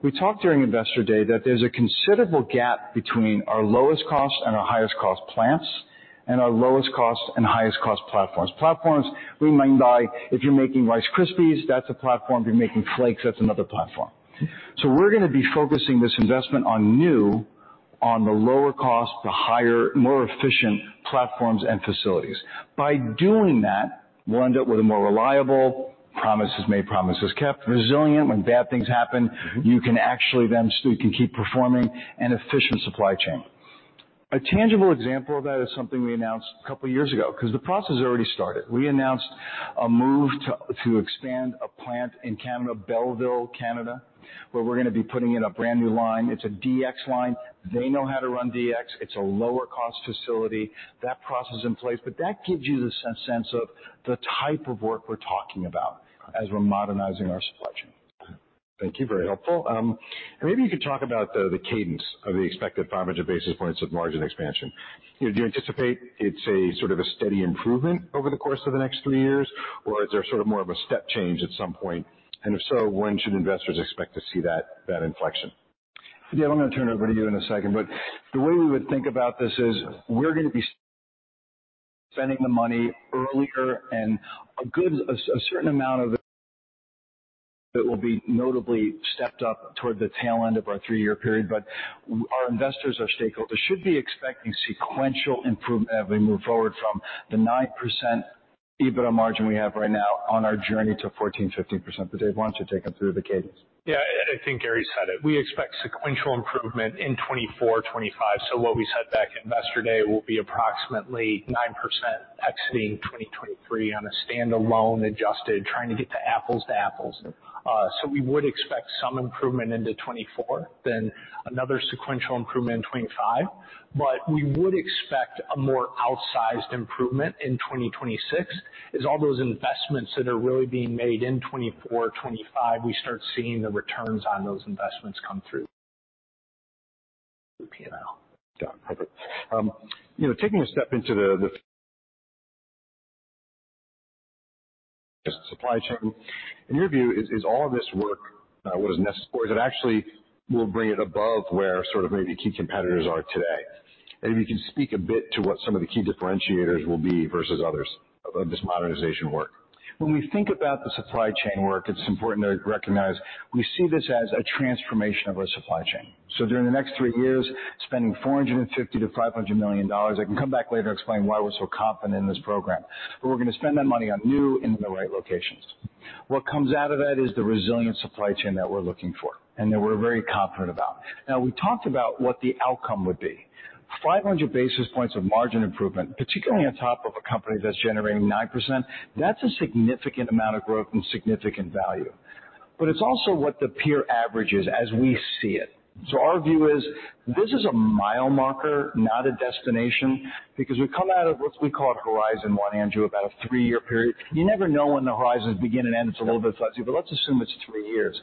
We talked during Investor Day that there's a considerable gap between our lowest cost and our highest cost plants and our lowest cost and highest cost platforms. Platforms, we mean by, if you're making Rice Krispies, that's a platform. If you're making flakes, that's another platform. So we're gonna be focusing this investment on new, on the lower cost, the higher, more efficient platforms and facilities. By doing that, we'll end up with a more reliable, promises made, promises kept, resilient, when bad things happen, you can actually then, so you can keep performing, and efficient supply chain. A tangible example of that is something we announced a couple of years ago, because the process has already started. We announced a move to expand a plant in Belleville, Canada, where we're gonna be putting in a brand-new line. It's a DX line. They know how to run DX. It's a lower-cost facility. That process is in place, but that gives you the sense of the type of work we're talking about as we're modernizing our supply chain. Thank you. Very helpful. Maybe you could talk about the cadence of the expected 500 basis points of margin expansion. You know, do you anticipate it's a sort of a steady improvement over the course of the next three years, or is there sort of more of a step change at some point? And if so, when should investors expect to see that inflection? Yeah, I'm gonna turn it over to you in a second, but the way we would think about this is we're gonna be spending the money earlier, and a good, a certain amount of it will be notably stepped up toward the tail end of our three-year period. But our investors, our stakeholders, should be expecting sequential improvement as we move forward from the 9% EBITDA margin we have right now on our journey to 14%-15%. But David, why don't you take them through the cadence? Yeah, I, I think Gary said it. We expect sequential improvement in 2024, 2025, so what we said back at Investor Day will be approximately 9% exiting 2023 on a standalone, adjusted, trying to get to apples to apples. So we would expect some improvement into 2024, then another sequential improvement in 2025. But we would expect a more outsized improvement in 2026, as all those investments that are really being made in 2024, 2025, we start seeing the returns on those investments come through the P&L. Got it. You know, taking a step into the supply chain, in your view, is all this work or is it actually will bring it above where sort of maybe key competitors are today? And if you can speak a bit to what some of the key differentiators will be versus others of this modernization work. When we think about the supply chain work, it's important to recognize we see this as a transformation of our supply chain. So during the next three years, spending $450 million-$500 million, I can come back later and explain why we're so confident in this program, but we're gonna spend that money on new and in the right locations. What comes out of that is the resilient supply chain that we're looking for and that we're very confident about. Now, we talked about what the outcome would be. 500 basis points of margin improvement, particularly on top of a company that's generating 9%, that's a significant amount of growth and significant value, but it's also what the peer average is as we see it. So our view is this is a mile marker, not a destination, because we've come out of what we called Horizon One, Andrew, about a three-year period. You never know when the horizons begin and end. It's a little bit fuzzy, but let's assume it's three years.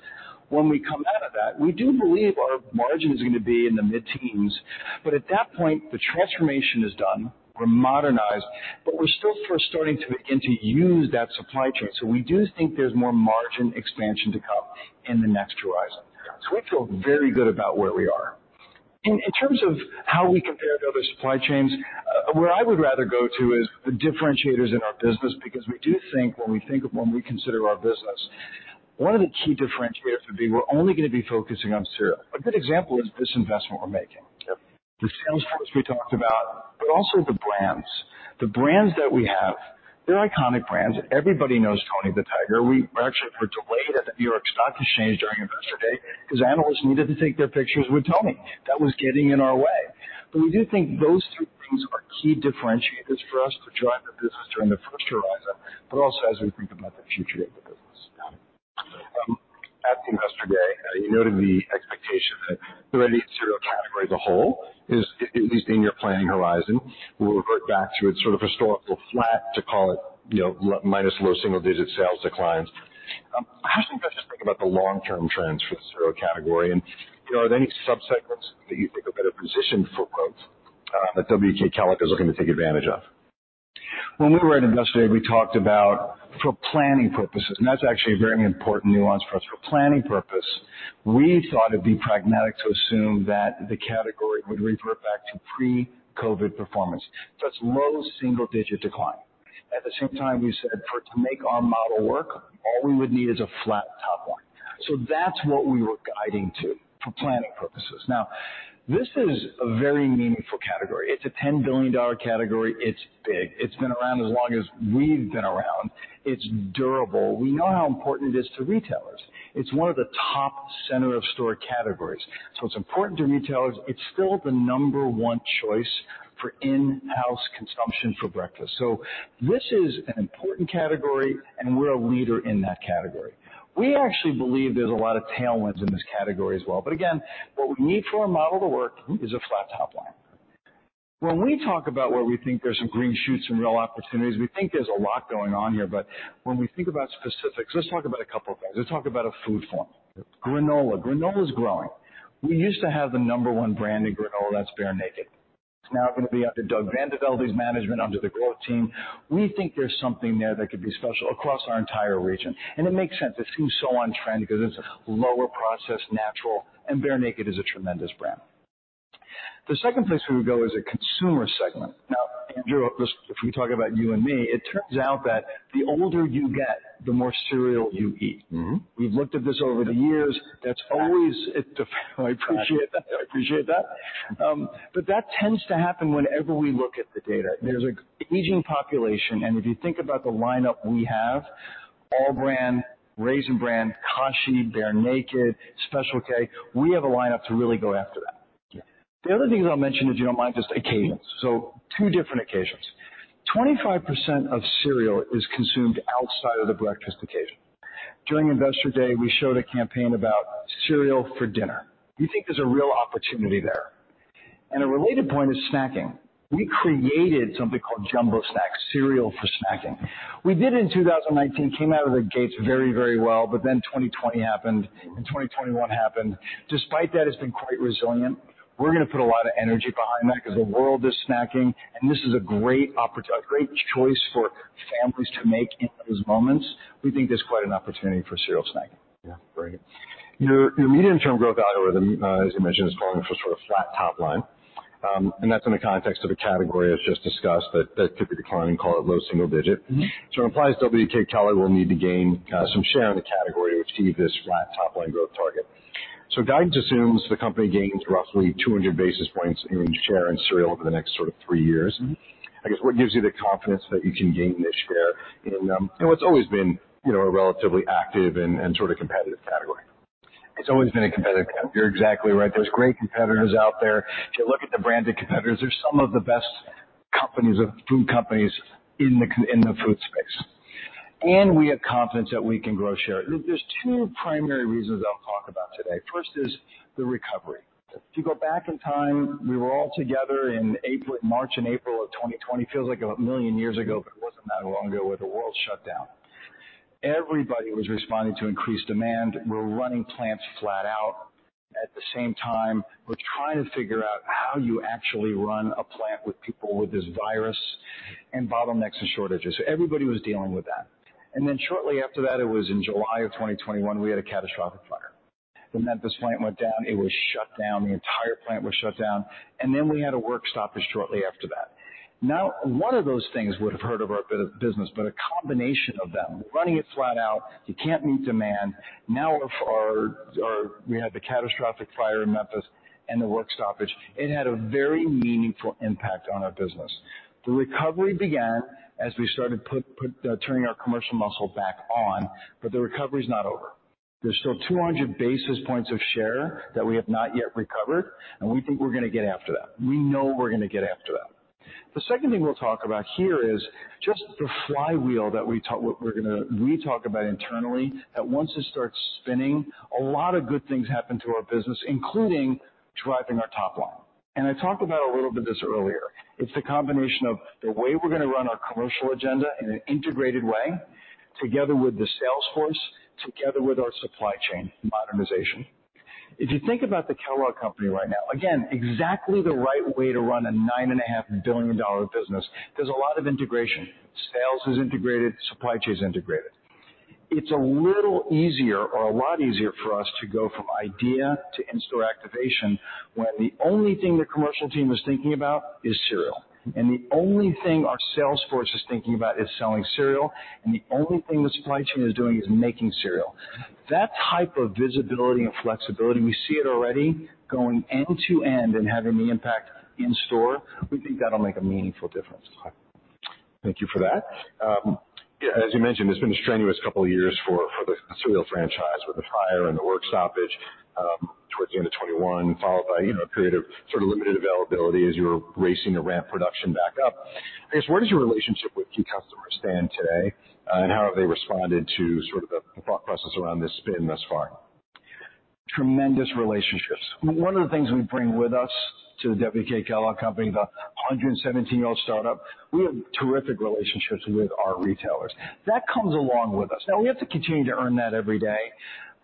When we come out of that, we do believe our margin is gonna be in the mid-teens, but at that point, the transformation is done. We're modernized, but we're still first starting to begin to use that supply chain. So we do think there's more margin expansion to come in the next horizon. So we feel very good about where we are. In terms of how we compare to other supply chains, where I would rather go to is the differentiators in our business, because we do think when we think of, when we consider our business, one of the key differentiators would be we're only gonna be focusing on cereal. A good example is this investment we're making. Yep. The sales force we talked about, but also the brands. The brands that we have, they're iconic brands. Everybody knows Tony the Tiger. We were actually, we're delayed at the New York Stock Exchange during Investor Day because analysts needed to take their pictures with Tony. That was getting in our way. But we do think those three things are key differentiators for us to drive the business during the first horizon, but also as we think about the future of the business. At Investor Day, you noted the expectation that the ready cereal category as a whole is, at least in your planning horizon, will revert back to its sort of historical flat, to call it, you know, or minus low single digit sales declines. How should investors think about the long-term trends for the cereal category? And, you know, are there any subsegments that you think are better positioned for growth, that WK Kellogg is looking to take advantage of? When we were at Investor Day, we talked about for planning purposes, and that's actually a very important nuance for us. For planning purpose, we thought it'd be pragmatic to assume that the category would revert back to pre-COVID performance. That's low single-digit decline. At the same time, we said for it to make our model work, all we would need is a flat top line. So that's what we were guiding to for planning purposes. Now, this is a very meaningful category. It's a $10 billion category. It's big. It's been around as long as we've been around. It's durable. We know how important it is to retailers. It's one of the top center-of-store categories, so it's important to retailers. It's still the number one choice for in-house consumption for breakfast. So this is an important category, and we're a leader in that category. We actually believe there's a lot of tailwinds in this category as well. But again, what we need for our model to work is a flat top line. When we talk about where we think there's some green shoots and real opportunities, we think there's a lot going on here, but when we think about specifics, let's talk about a couple of things. Let's talk about a food form. Yep. Granola. Granola's growing. We used to have the number one brand in granola, that's Bear Naked. It's now going to be under Doug VanDeVelde's management, under the growth team. We think there's something there that could be special across our entire region, and it makes sense. It seems so on trend because it's lower processed, natural, and Bear Naked is a tremendous brand. The second place we would go is a consumer segment. Now, Andrew, this, if we talk about you and me, it turns out that the older you get, the more cereal you eat. Mm-hmm. We've looked at this over the years. That's always. I appreciate that. I appreciate that. But that tends to happen whenever we look at the data. There's an aging population, and if you think about the lineup we have, All-Bran, Raisin Bran, Kashi, Bear Naked, Special K, we have a lineup to really go after that.... Yeah. The other thing that I'll mention, if you don't mind, just occasions. So two different occasions. 25% of cereal is consumed outside of the breakfast occasion. During Investor Day, we showed a campaign about cereal for dinner. We think there's a real opportunity there. And a related point is snacking. We created something called Jumbo Snax, cereal for snacking. We did it in 2019, came out of the gates very, very well, but then 2020 happened and 2021 happened. Despite that, it's been quite resilient. We're going to put a lot of energy behind that because the world is snacking, and this is a great choice for families to make in those moments. We think there's quite an opportunity for cereal snacking. Yeah, great. Your, your medium-term growth algorithm, as you mentioned, is calling for sort of flat top line, and that's in the context of a category, as just discussed, that could be declining, call it low single digit. Mm-hmm. So it implies WK Kellogg will need to gain some share in the category to achieve this flat top line growth target. So guidance assumes the company gains roughly 200 basis points in share in cereal over the next sort of three years. Mm-hmm. I guess, what gives you the confidence that you can gain this share in, you know, it's always been, you know, a relatively active and sort of competitive category? It's always been a competitive category. You're exactly right. There's great competitors out there. If you look at the branded competitors, they're some of the best companies, food companies in the co- in the food space, and we have confidence that we can grow share. There, there's two primary reasons I'll talk about today. First is the recovery. If you go back in time, we were all together in April—March and April of 2020. Feels like a million years ago, but it wasn't that long ago, where the world shut down. Everybody was responding to increased demand. We're running plants flat out. At the same time, we're trying to figure out how you actually run a plant with people with this virus and bottlenecks and shortages. Everybody was dealing with that. And then shortly after that, it was in July of 2021, we had a catastrophic fire. The Memphis plant went down. It was shut down. The entire plant was shut down, and then we had a work stoppage shortly after that. Now, one of those things would have hurt our business, but a combination of them, running it flat out, you can't meet demand. Now, we had the catastrophic fire in Memphis and the work stoppage. It had a very meaningful impact on our business. The recovery began as we started turning our commercial muscle back on, but the recovery is not over. There's still 200 basis points of share that we have not yet recovered, and we think we're going to get after that. We know we're going to get after that. The second thing we'll talk about here is just the flywheel that we talk about internally, that once it starts spinning, a lot of good things happen to our business, including driving our top line. I talked about this a little bit earlier. It's the combination of the way we're going to run our commercial agenda in an integrated way, together with the sales force, together with our supply chain modernization. If you think about the Kellogg Company right now, again, exactly the right way to run a $9.5 billion business. There's a lot of integration. Sales is integrated, supply chain is integrated. It's a little easier or a lot easier for us to go from idea to in-store activation when the only thing the commercial team is thinking about is cereal, and the only thing our sales force is thinking about is selling cereal, and the only thing the supply chain is doing is making cereal. That type of visibility and flexibility, we see it already going end to end and having the impact in store. We think that'll make a meaningful difference. Thank you for that. Yeah, as you mentioned, it's been a strenuous couple of years for the cereal franchise, with the fire and the work stoppage toward the end of 2021, followed by, you know, a period of sort of limited availability as you were ramping production back up. I guess, where does your relationship with key customers stand today, and how have they responded to sort of the thought process around this spin thus far? Tremendous relationships. One of the things we bring with us to the WK Kellogg Company, the 117-year-old startup, we have terrific relationships with our retailers. That comes along with us. Now, we have to continue to earn that every day,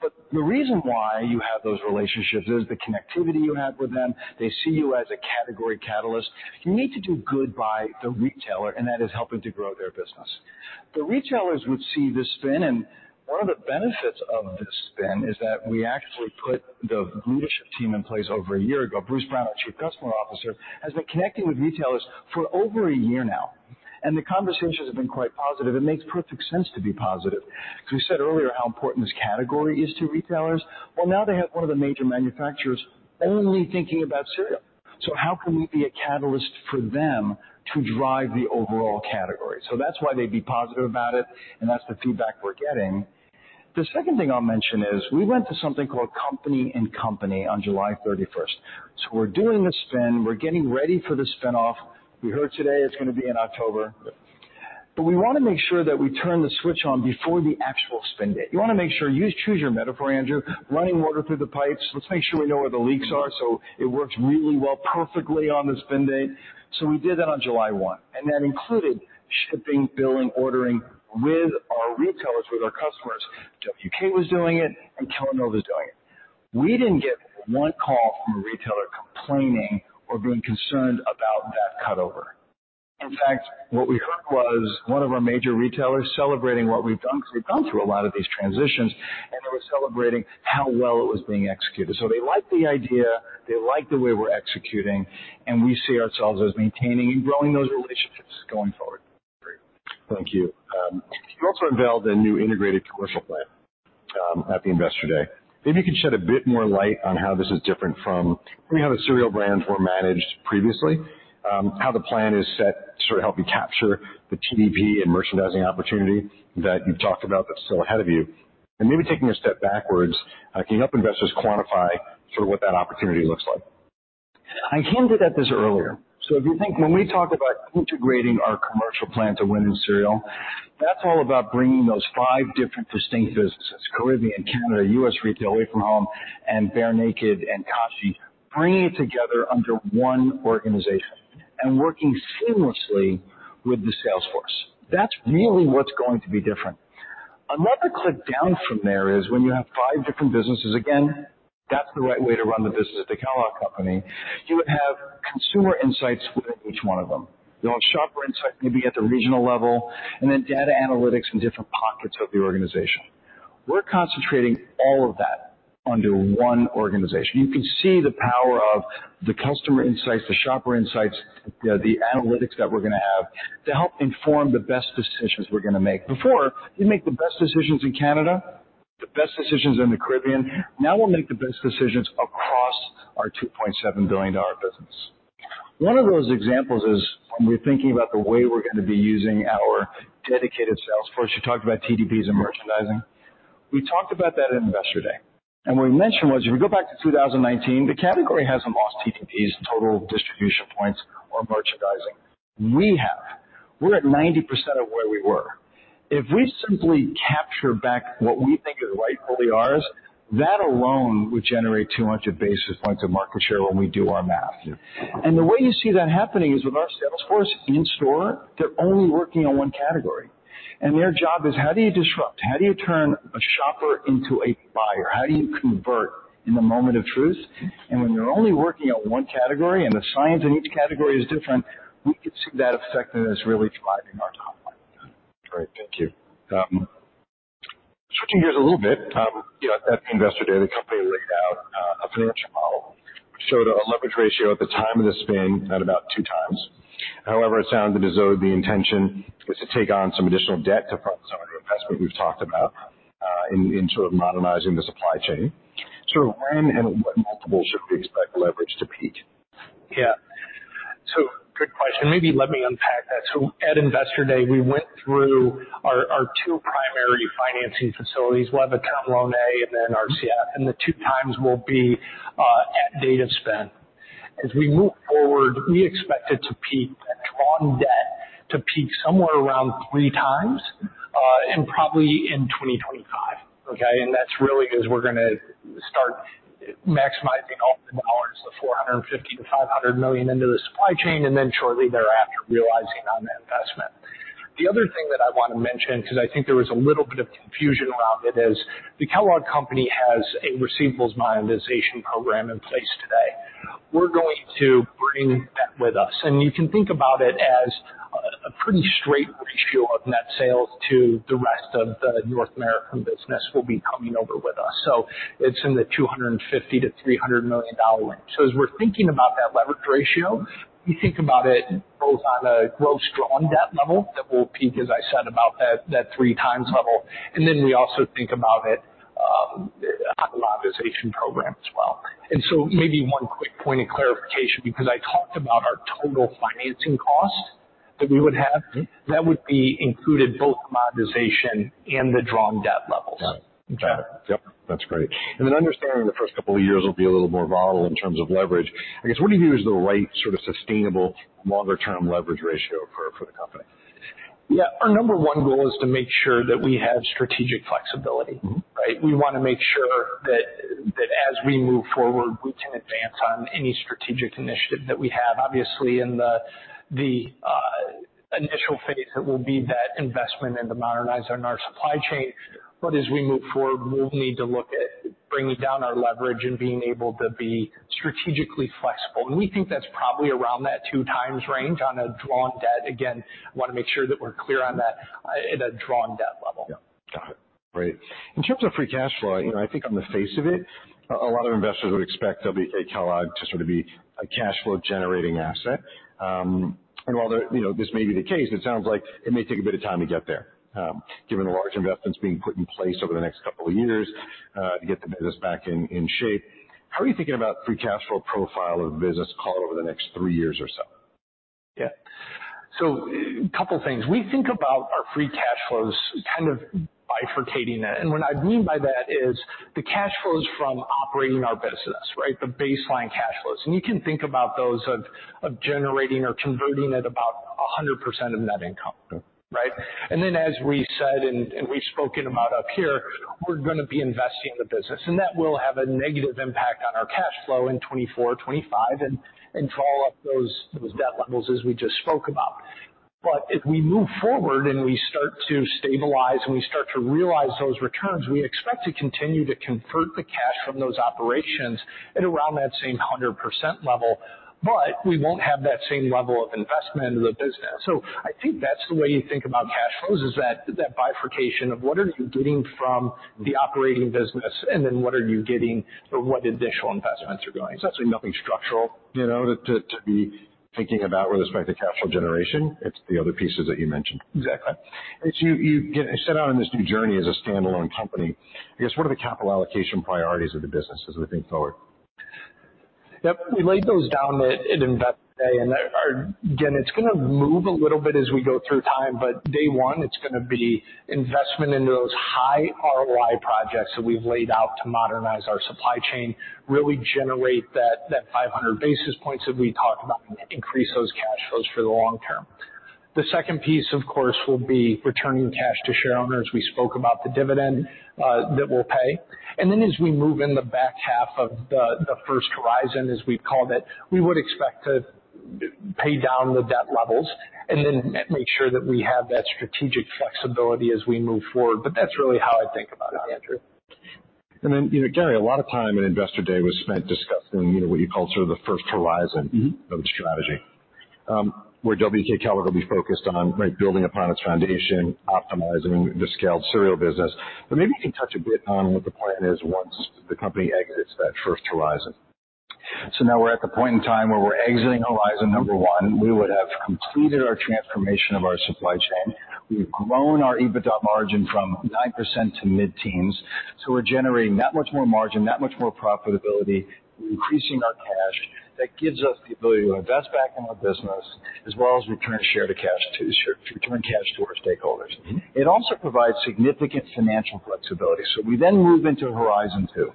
but the reason why you have those relationships is the connectivity you have with them. They see you as a category catalyst. You need to do good by the retailer, and that is helping to grow their business. The retailers would see this spin, and one of the benefits of this spin is that we actually put the leadership team in place over a year ago. Bruce Brown, our Chief Customer Officer, has been connecting with retailers for over a year now, and the conversations have been quite positive. It makes perfect sense to be positive. Because we said earlier how important this category is to retailers. Well, now they have one of the major manufacturers only thinking about cereal. So how can we be a catalyst for them to drive the overall category? So that's why they'd be positive about it, and that's the feedback we're getting. The second thing I'll mention is we went to something called Company in Company on July 31. So we're doing the spin. We're getting ready for the spin-off. We heard today it's going to be in October, but we want to make sure that we turn the switch on before the actual spin date. You want to make sure you choose your metaphor, Andrew. Running water through the pipes. Let's make sure we know where the leaks are, so it works really well, perfectly on the spin date. So we did that on July 1, and that included shipping, billing, ordering with our retailers, with our customers. WK was doing it, and Kellanova was doing it. We didn't get one call from a retailer complaining or being concerned about that cutover. In fact, what we heard was one of our major retailers celebrating what we've done, because we've gone through a lot of these transitions, and they were celebrating how well it was being executed. So they like the idea, they like the way we're executing, and we see ourselves as maintaining and growing those relationships going forward. Great. Thank you. You also unveiled a new integrated commercial plan at the Investor Day. Maybe you could shed a bit more light on how this is different from how the cereal brands were managed previously, how the plan is set to sort of help you capture the TDP and merchandising opportunity that you talked about that's still ahead of you? And maybe taking a step backwards, can you help investors quantify sort of what that opportunity looks like? I hinted at this earlier. So if you think when we talked about integrating our commercial plan to win in cereal, that's all about bringing those five different distinct businesses, Caribbean, Canada, U.S. Retail, Away From Home, and Bear Naked and Kashi, bringing it together under one organization and working seamlessly with the sales force. That's really what's going to be different. Another click down from there is when you have five different businesses, again, that's the right way to run the business at the Kellogg Company, you would have consumer insights within each one of them. You'll have shopper insight maybe at the regional level, and then data analytics in different pockets of the organization. We're concentrating all of that under one organization. You can see the power of the customer insights, the shopper insights, the analytics that we're gonna have to help inform the best decisions we're gonna make. Before, you make the best decisions in Canada, the best decisions in the Caribbean. Now we'll make the best decisions across our $2.7 billion business. One of those examples is when we're thinking about the way we're gonna be using our dedicated sales force. You talked about TDPs and merchandising. We talked about that at Investor Day, and what we mentioned was, if you go back to 2019, the category hasn't lost TDPs, total distribution points or merchandising. We have. We're at 90% of where we were. If we simply capture back what we think is rightfully ours, that alone would generate 200 basis points of market share when we do our math. Yeah. The way you see that happening is with our sales force in store. They're only working on one category, and their job is: How do you disrupt? How do you turn a shopper into a buyer? How do you convert in the moment of truth? And when you're only working on one category, and the science in each category is different, we could see that affecting us, really driving our top line. Great. Thank you. Switching gears a little bit, you know, at Investor Day, the company laid out a financial model which showed a leverage ratio at the time of the spin at about 2x. However, it sounds as though the intention was to take on some additional debt to fund some of the investment we've talked about, in sort of modernizing the supply chain. So when and what multiple should we expect leverage to peak? Yeah. So good question. Maybe let me unpack that. So at Investor Day, we went through our, our two primary financing facilities, one, the Term Loan A and then RCF, and the 2x will be at date of spin. As we move forward, we expect it to peak, drawn debt to peak somewhere around 3x, and probably in 2025, okay? And that's really because we're gonna start maximizing all the dollars, the $450 million-$500 million into the supply chain, and then shortly thereafter, realizing on that investment. The other thing that I wanna mention, because I think there was a little bit of confusion around it, is the Kellogg Company has a receivables monetization program in place today. We're going to bring that with us, and you can think about it as a pretty straight ratio of net sales to the rest of the North American business will be coming over with us. So it's in the $250 million-$300 million range. So as we're thinking about that leverage ratio, we think about it both on a gross drawn debt level that will peak, as I said, about that 3x level, and then we also think about it on the monetization program as well. And so maybe one quick point of clarification, because I talked about our total financing cost that we would have. Mm-hmm. That would be included, both monetization and the drawn debt levels. Got it. Yep, that's great. And then understanding the first couple of years will be a little more volatile in terms of leverage, I guess, what do you view as the right sort of sustainable longer term leverage ratio for, for the company? Yeah. Our number one goal is to make sure that we have strategic flexibility. Mm-hmm. Right? We wanna make sure that as we move forward, we can advance on any strategic initiative that we have. Obviously, in the initial phase, it will be that investment in modernizing our supply chain. But as we move forward, we'll need to look at bringing down our leverage and being able to be strategically flexible. And we think that's probably around that two times range on a drawn debt. Again, wanna make sure that we're clear on that, at a drawn debt level. Yeah. Got it. Great. In terms of free cash flow, you know, I think on the face of it, a lot of investors would expect there'll be a Kellogg to sort of be a cash flow generating asset. And while there, you know, this may be the case, it sounds like it may take a bit of time to get there, given the large investments being put in place over the next couple of years, to get the business back in shape. How are you thinking about free cash flow profile of the business overall over the next three years or so? Yeah. So couple things. We think about our free cash flows, kind of bifurcating it. And what I mean by that is the cash flows from operating our business, right? The baseline cash flows. And you can think about those of generating or converting at about 100% of net income. Yeah. Right? And then, as we said, and we've spoken about up here, we're gonna be investing in the business, and that will have a negative impact on our cash flow in 2024, 2025 and draw up those debt levels as we just spoke about. But as we move forward and we start to stabilize and we start to realize those returns, we expect to continue to convert the cash from those operations at around that same 100% level, but we won't have that same level of investment into the business. So I think that's the way you think about cash flows, is that bifurcation of what are you getting from the operating business, and then what are you getting or what additional investments are going? It's actually nothing structural, you know, to be thinking about with respect to cash flow generation. It's the other pieces that you mentioned. Exactly. As you set out on this new journey as a standalone company, I guess, what are the capital allocation priorities of the business as we think forward?... Yep, we laid those down at Investor Day, and our, again, it's gonna move a little bit as we go through time, but day one, it's gonna be investment into those high ROI projects that we've laid out to modernize our supply chain, really generate that 500 basis points that we talked about and increase those cash flows for the long term. The second piece, of course, will be returning cash to shareowners. We spoke about the dividend that we'll pay. And then as we move in the back half of the first horizon, as we've called it, we would expect to pay down the debt levels and then make sure that we have that strategic flexibility as we move forward. But that's really how I think about it, Andrew. And then, you know, Gary, a lot of time in Investor Day was spent discussing, you know, what you called sort of the first horizon- Mm-hmm. -of the strategy, where WK Kellogg will be focused on, right, building upon its foundation, optimizing the scaled cereal business. But maybe you can touch a bit on what the plan is once the company exits that first horizon. So now we're at the point in time where we're exiting Horizon Number One. We would have completed our transformation of our supply chain. We've grown our EBITDA margin from 9% to mid-teens, so we're generating that much more margin, that much more profitability. We're increasing our cash. That gives us the ability to invest back in our business, as well as return share to cash to-- return cash to our stakeholders. It also provides significant financial flexibility. So we then move into Horizon Two.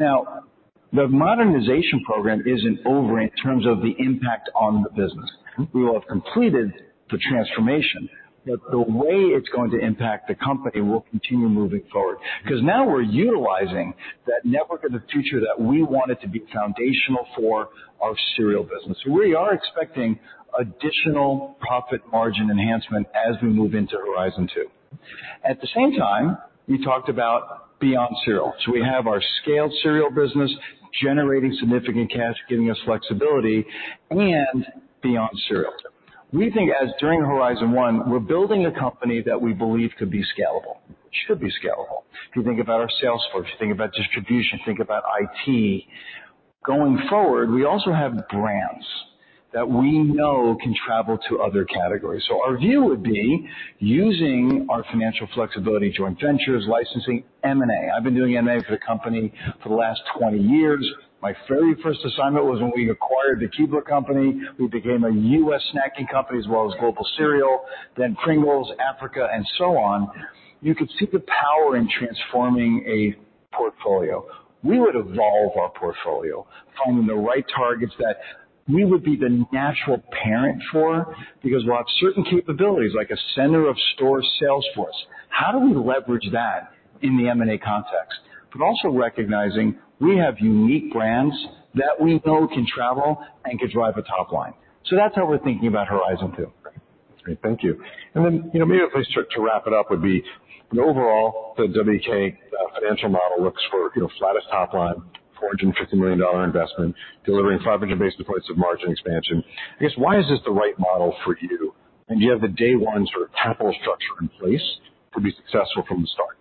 Now, the modernization program isn't over in terms of the impact on the business. Mm-hmm. We will have completed the transformation, but the way it's going to impact the company will continue moving forward. Because now we're utilizing that network of the future that we want it to be foundational for our cereal business. So we are expecting additional profit margin enhancement as we move into Horizon Two. At the same time, we talked about beyond cereal. So we have our scaled cereal business, generating significant cash, giving us flexibility and beyond cereal. We think as during horizon one, we're building a company that we believe could be scalable. It should be scalable. If you think about our sales force, you think about distribution, think about IT. Going forward, we also have brands that we know can travel to other categories. So our view would be using our financial flexibility, joint ventures, licensing, M&A. I've been doing M&A for the company for the last 20 years. My very first assignment was when we acquired The Keebler Company. We became a US snacking company as well as global cereal, then Pringles, Africa, and so on. You could see the power in transforming a portfolio. We would evolve our portfolio, finding the right targets that we would be the natural parent for, because we'll have certain capabilities, like a center of store sales force. How do we leverage that in the M&A context? But also recognizing we have unique brands that we know can travel and can drive a top line. So that's how we're thinking about horizon two. Great. Thank you. And then, you know, maybe if we start to wrap it up, would be overall, the W.K. financial model looks for, you know, flattest top line, $450 million investment, delivering 500 basis points of margin expansion. I guess, why is this the right model for you? And do you have the day one sort of capital structure in place to be successful from the start?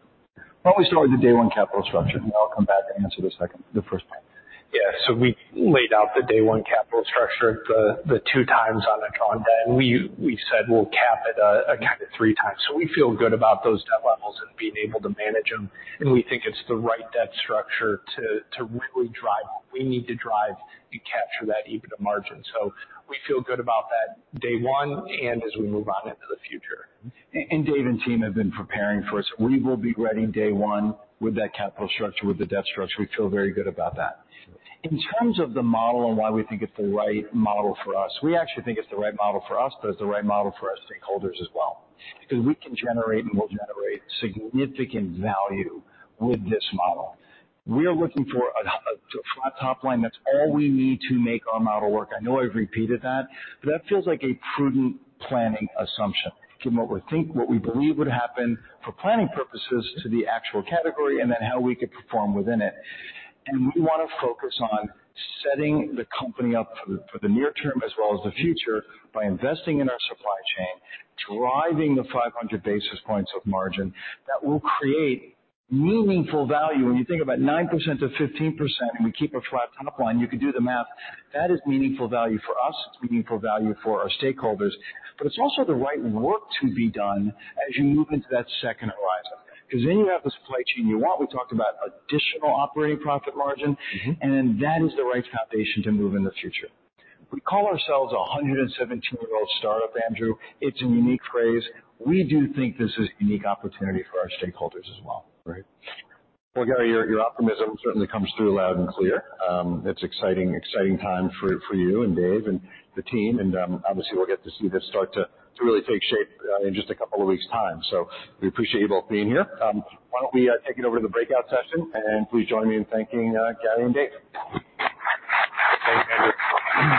Why don't we start with the day one capital structure, and I'll come back and answer the second, the first part. Yeah, so we laid out the day one capital structure, the 2x on the debt, and we said we'll cap it again at 3x. So we feel good about those debt levels and being able to manage them, and we think it's the right debt structure to really drive what we need to drive to capture that EBITDA margin. So we feel good about that day one and as we move on into the future. Dave and team have been preparing for us. We will be ready day one with that capital structure, with the debt structure. We feel very good about that. In terms of the model and why we think it's the right model for us, we actually think it's the right model for us, but it's the right model for our stakeholders as well, because we can generate and will generate significant value with this model. We are looking for a flat top line. That's all we need to make our model work. I know I've repeated that, but that feels like a prudent planning assumption from what we think, what we believe would happen for planning purposes to the actual category and then how we could perform within it. We want to focus on setting the company up for the near term as well as the future by investing in our supply chain, driving the 500 basis points of margin that will create meaningful value. When you think about 9%-15% and we keep a flat top line, you can do the math. That is meaningful value for us. It's meaningful value for our stakeholders, but it's also the right work to be done as you move into that second horizon. Because then you have the supply chain you want. We talked about additional operating profit margin- Mm-hmm. and then that is the right foundation to move in the future. We call ourselves a 117-year-old startup, Andrew. It's a unique phrase. We do think this is a unique opportunity for our stakeholders as well. Great. Well, Gary, your, your optimism certainly comes through loud and clear. It's exciting, exciting time for, for you and David and the team, and obviously, we'll get to see this start to, to really take shape in just a couple of weeks' time. So we appreciate you both being here. Why don't we take it over to the breakout session, and please join me in thanking Gary and David. Thanks, Andrew.